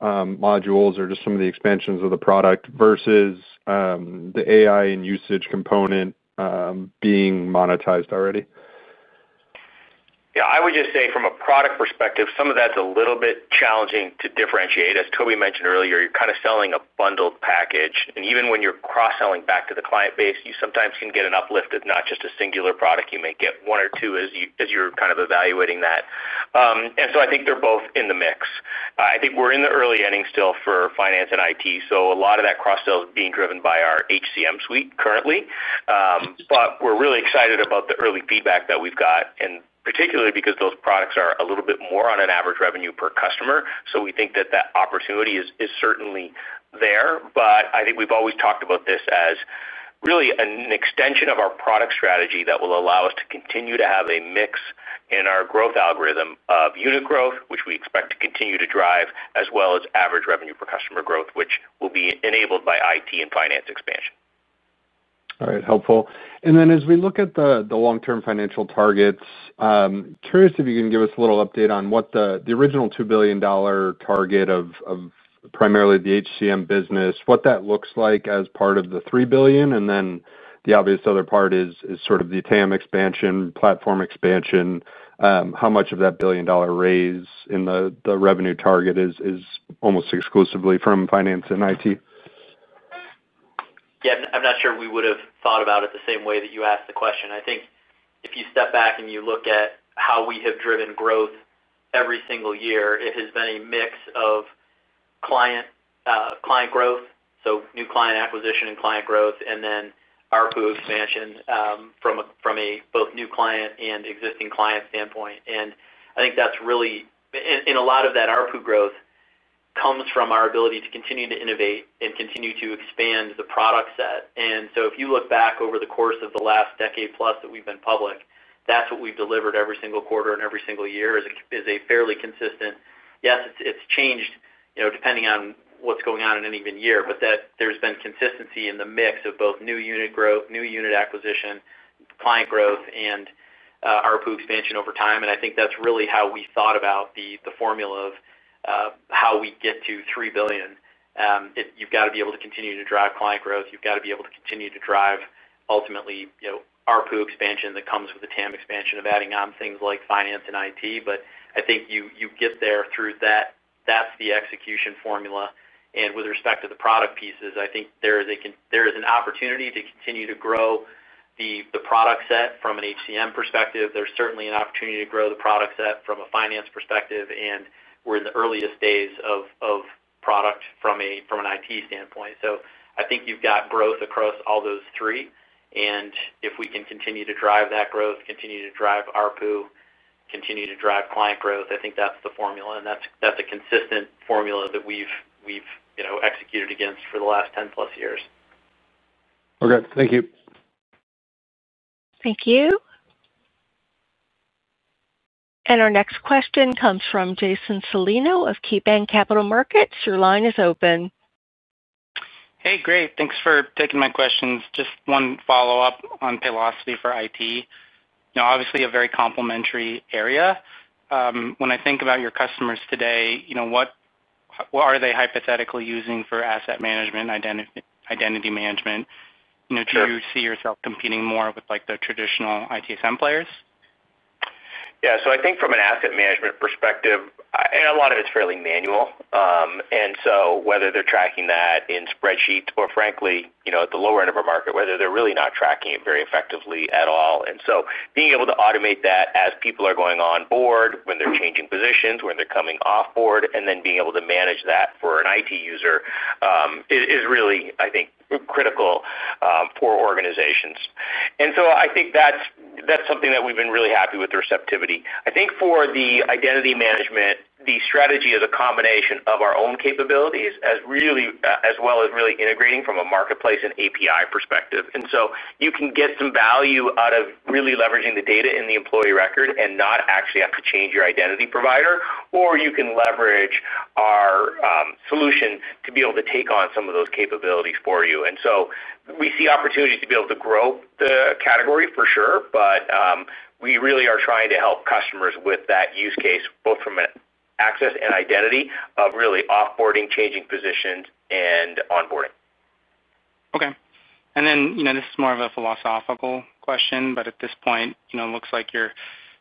modules or just some of the expansions of the product versus the AI and usage component being monetized already. Yeah. I would just say from a product perspective, some of that's a little bit challenging to differentiate. As Toby mentioned earlier, you're kind of selling a bundled package, and even when you're cross-selling back to the client base, you sometimes can get an uplift of not just a singular product. You may get one or two as you're kind of evaluating that, and so I think they're both in the mix. I think we're in the early inning still for finance and IT, so a lot of that cross-sell is being driven by our HCM suite currently, but we're really excited about the early feedback that we've got, and particularly because those products are a little bit more on an average revenue per customer, so we think that that opportunity is certainly there, but I think we've always talked about this as really an extension of our product strategy that will allow us to continue to have a mix in our growth algorithm of unit growth, which we expect to continue to drive, as well as average revenue per customer growth, which will be enabled by IT and finance expansion. All right. Helpful. And then as we look at the long-term financial targets, curious if you can give us a little update on what the original $2 billion target of. Primarily the HCM business, what that looks like as part of the $3 billion. And then the obvious other part is sort of the TAM expansion, platform expansion. How much of that billion raise in the revenue target is almost exclusively from finance and IT? Yeah. I'm not sure we would have thought about it the same way that you asked the question. I think if you step back and you look at how we have driven growth every single year, it has been a mix of client growth, so new client acquisition and client growth, and then ARPU expansion from both new client and existing client standpoint. And I think that's really and a lot of that ARPU growth comes from our ability to continue to innovate and continue to expand the product set. And so if you look back over the course of the last decade plus that we've been public, that's what we've delivered every single quarter and every single year is a fairly consistent yes, it's changed depending on what's going on in any given year but that there's been consistency in the mix of both new unit growth, new unit acquisition, client growth, and ARPU expansion over time. And I think that's really how we thought about the formula of how we get to $3 billion. You've got to be able to continue to drive client growth. You've got to be able to continue to drive ultimately ARPU expansion that comes with the TAM expansion of adding on things like finance and IT. But I think you get there through that. That's the execution formula. And with respect to the product pieces, I think there is an opportunity to continue to grow the product set from an HCM perspective. There's certainly an opportunity to grow the product set from a finance perspective. And we're in the earliest days of product from an IT standpoint. So I think you've got growth across all those three. And if we can continue to drive that growth, continue to drive ARPU, continue to drive client growth, I think that's the formula. And that's a consistent formula that we've executed against for the last 10-plus years. Okay. Thank you. Thank you. And our next question comes from Jason Celino of KeyBanc Capital Markets. Your line is open. Hey, great. Thanks for taking my questions. Just one follow-up on Paylocity for IT. Obviously, a very complementary area. When I think about your customers today, what are they hypothetically using for asset management, identity management? Do you see yourself competing more with the traditional ITSM players? Yeah. So I think from an asset management perspective, and a lot of it's fairly manual. And so whether they're tracking that in spreadsheets or, frankly, at the lower end of a market, whether they're really not tracking it very effectively at all. And so being able to automate that as people are going on board, when they're changing positions, when they're coming off board, and then being able to manage that for an IT user is really, I think, critical for organizations. And so I think that's something that we've been really happy with, the receptivity. I think for the identity management, the strategy is a combination of our own capabilities as well as really integrating from a marketplace and API perspective. And so you can get some value out of really leveraging the data in the employee record and not actually have to change your identity provider, or you can leverage our solution to be able to take on some of those capabilities for you. And so we see opportunities to be able to grow the category, for sure, but we really are trying to help customers with that use case, both from an access and identity of really offboarding, changing positions, and onboarding. Okay. And then this is more of a philosophical question, but at this point, it looks like you're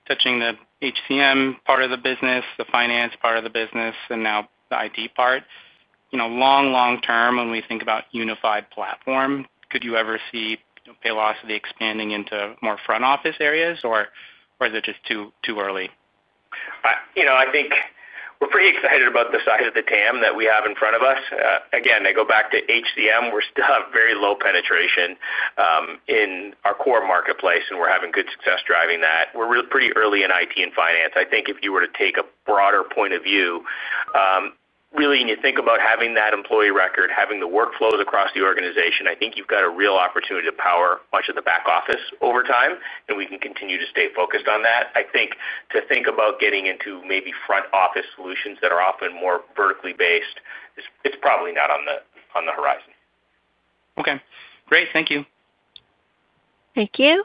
touching the HCM part of the business, the finance part of the business, and now the IT part. Long, long term, when we think about unified platform, could you ever see Paylocity expanding into more front office areas, or is it just too early? I think we're pretty excited about the size of the TAM that we have in front of us. Again, I go back to HCM. We're still at very low penetration. In our core marketplace, and we're having good success driving that. We're pretty early in IT and finance. I think if you were to take a broader point of view. Really, when you think about having that employee record, having the workflows across the organization, I think you've got a real opportunity to power much of the back office over time, and we can continue to stay focused on that. I think to think about getting into maybe front office solutions that are often more vertically based, it's probably not on the horizon. Okay. Great. Thank you. Thank you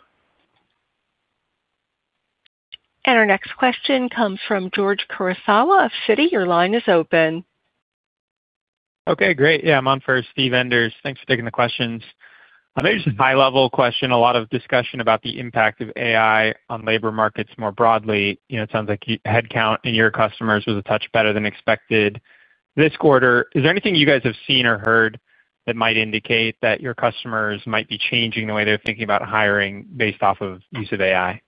and our next question comes from George Kurosawa of Citi. Your line is open. Okay. Great. Yeah. I'm on for Steve Enders. Thanks for taking the questions. Maybe just a high-level question. A lot of discussion about the impact of AI on labor markets more broadly. It sounds like headcount and your customers was a touch better than expected this quarter. Is there anything you guys have seen or heard that might indicate that your customers might be changing the way they're thinking about hiring based off of use of AI?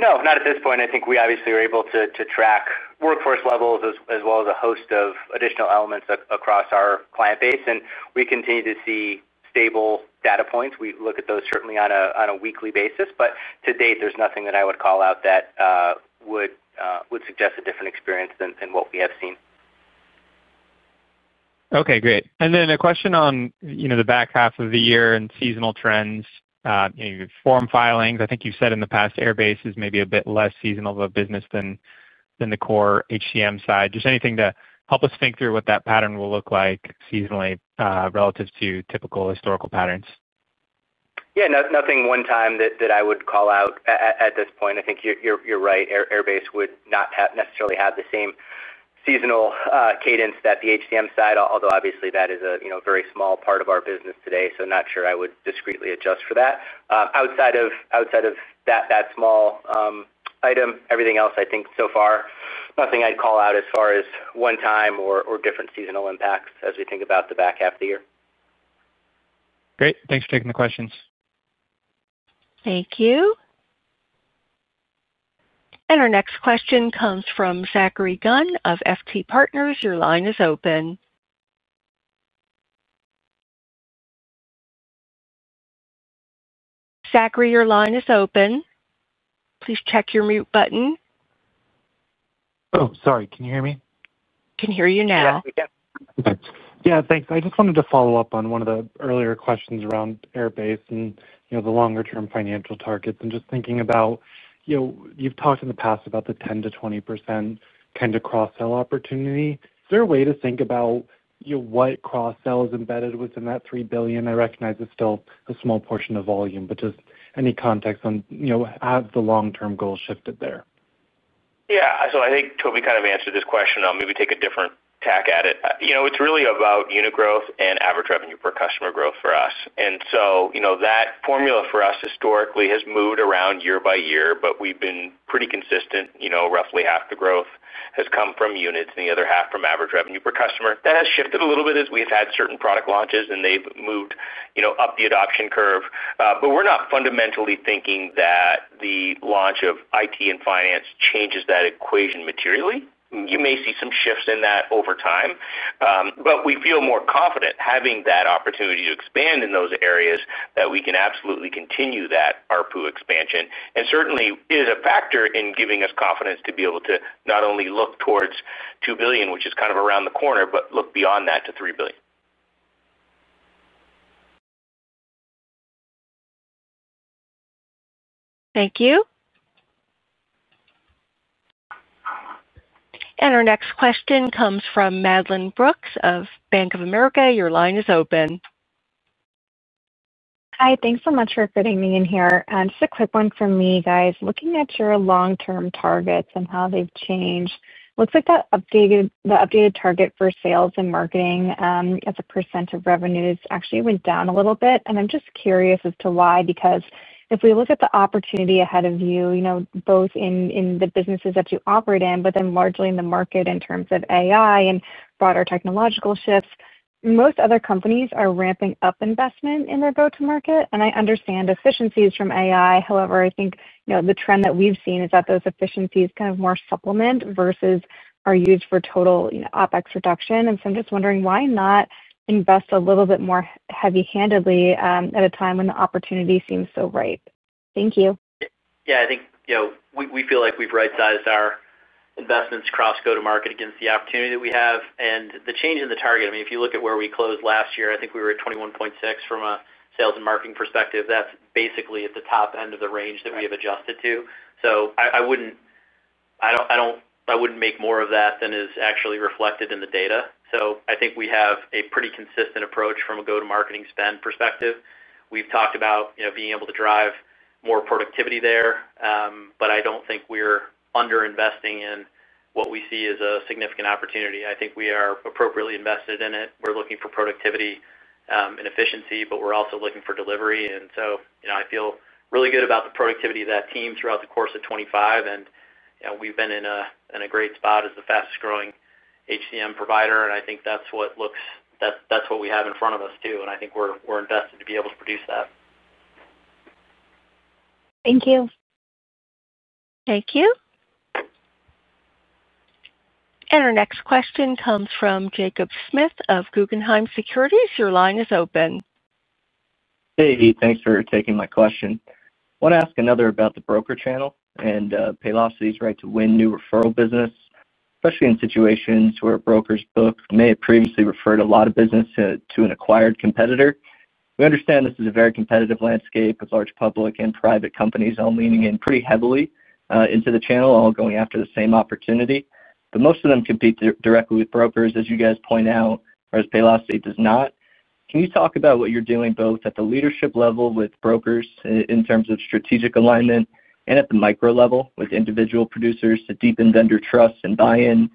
No, not at this point. I think we obviously are able to track workforce levels as well as a host of additional elements across our client base, and we continue to see stable data points. We look at those certainly on a weekly basis, but to date, there's nothing that I would call out that would suggest a different experience than what we have seen. Okay. Great. And then a question on the back half of the year and seasonal trends. Form filings, I think you've said in the past, Airbase is maybe a bit less seasonal of a business than the core HCM side. Just anything to help us think through what that pattern will look like seasonally relative to typical historical patterns? Yeah. Nothing one-time that I would call out at this point. I think you're right. Airbase would not necessarily have the same seasonal cadence that the HCM side, although obviously that is a very small part of our business today. So not sure I would discretely adjust for that. Outside of that small item, everything else, I think so far, nothing I'd call out as far as one-time or different seasonal impacts as we think about the back half of the year. Great. Thanks for taking the questions. Thank you. And our next question comes from Zachary Gunn of FT Partners. Your line is open. Zachary, your line is open. Please check your mute button. Oh, sorry. Can you hear me? Can hear you now. Yeah. We can. Okay. Yeah. Thanks. I just wanted to follow up on one of the earlier questions around Airbase and the longer-term financial targets. And just thinking about. You've talked in the past about the 10%-20% kind of cross-sell opportunity. Is there a way to think about. What cross-sell is embedded within that $3 billion? I recognize it's still a small portion of volume, but just any context on how has the long-term goal shifted there? Yeah. So I think Toby kind of answered this question. I'll maybe take a different tack at it. It's really about unit growth and average revenue per customer growth for us. And so that formula for us historically has moved around year by year, but we've been pretty consistent. Roughly half the growth has come from units and the other half from average revenue per customer. That has shifted a little bit as we've had certain product launches, and they've moved up the adoption curve. But we're not fundamentally thinking that the launch of IT and finance changes that equation materially. You may see some shifts in that over time. But we feel more confident having that opportunity to expand in those areas that we can absolutely continue that ARPU expansion. And certainly, it is a factor in giving us confidence to be able to not only look towards $2 billion, which is kind of around the corner, but look beyond that to $3 billion. Thank you. And our next question comes from Madeline Brooks of Bank of America. Your line is open. Hi. Thanks so much for fitting me in here. Just a quick one from me, guys. Looking at your long-term targets and how they've changed, looks like the updated target for sales and marketing as a percent of revenues actually went down a little bit. And I'm just curious as to why, because if we look at the opportunity ahead of you, both in the businesses that you operate in, but then largely in the market in terms of AI and broader technological shifts, most other companies are ramping up investment in their go-to-market. And I understand efficiencies from AI. However, I think the trend that we've seen is that those efficiencies kind of more supplement versus are used for total OpEx reduction. And so I'm just wondering why not invest a little bit more heavy-handedly at a time when the opportunity seems so ripe. Thank you. Yeah. I think we feel like we've right-sized our investments across go-to-market against the opportunity that we have. And the change in the target, I mean, if you look at where we closed last year, I think we were at 21.6 from a sales and marketing perspective. That's basically at the top end of the range that we have adjusted to. So I wouldn't make more of that than is actually reflected in the data. So I think we have a pretty consistent approach from a go-to-marketing spend perspective. We've talked about being able to drive more productivity there, but I don't think we're under-investing in what we see as a significant opportunity. I think we are appropriately invested in it. We're looking for productivity and efficiency, but we're also looking for delivery. And so I feel really good about the productivity of that team throughout the course of 2025. And we've been in a great spot as the fastest-growing HCM provider. And I think that's what looks, that's what we have in front of us too. And I think we're invested to be able to produce that. Thank you. Thank you. Our next question comes from Jacob Smith of Guggenheim Securities. Your line is open. Hey. Thanks for taking my question. I want to ask another about the broker channel and Paylocity's right to win new referral business, especially in situations where brokers' books may have previously referred a lot of business to an acquired competitor. We understand this is a very competitive landscape with large public and private companies all leaning in pretty heavily into the channel, all going after the same opportunity. But most of them compete directly with brokers, as you guys point out, whereas Paylocity does not. Can you talk about what you're doing both at the leadership level with brokers in terms of strategic alignment and at the micro level with individual producers to deepen vendor trust and buy-in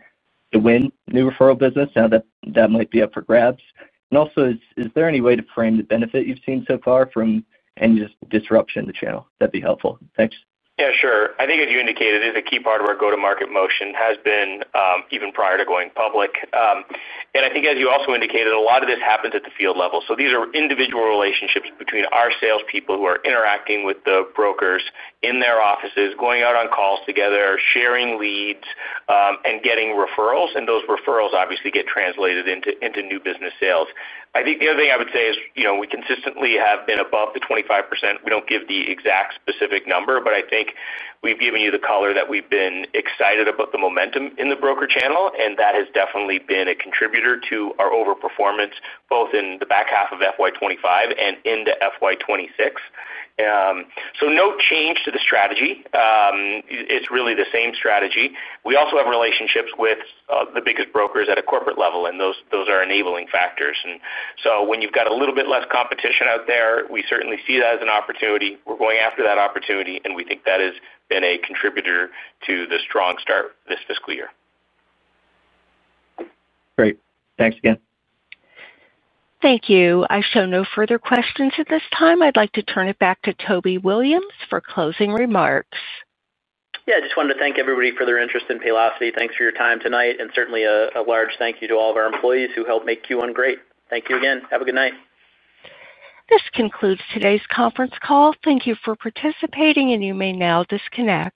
to win new referral business now that that might be up for grabs? And also, is there any way to frame the benefit you've seen so far from any disruption in the channel? That'd be helpful. Thanks. Yeah, sure. I think, as you indicated, it's a key part of our go-to-market motion, has been even prior to going public. And I think, as you also indicated, a lot of this happens at the field level. So these are individual relationships between our salespeople who are interacting with the brokers in their offices, going out on calls together, sharing leads, and getting referrals. And those referrals obviously get translated into new business sales. I think the other thing I would say is we consistently have been above the 25%. We don't give the exact specific number, but I think we've given you the color that we've been excited about the momentum in the broker channel. And that has definitely been a contributor to our overperformance, both in the back half of FY 2025 and into FY 2026. So no change to the strategy. It's really the same strategy. We also have relationships with the biggest brokers at a corporate level, and those are enabling factors. And so when you've got a little bit less competition out there, we certainly see that as an opportunity. We're going after that opportunity, and we think that has been a contributor to the strong start this fiscal year. Great. Thanks again. Thank you. I show no further questions at this time. I'd like to turn it back to Toby Williams for closing remarks. Yeah. I just wanted to thank everybody for their interest in Paylocity. Thanks for your time tonight, and certainly, a large thank you to all of our employees who helped make Q1 great. Thank you again. Have a good night. This concludes today's conference call. Thank you for participating, and you may now disconnect.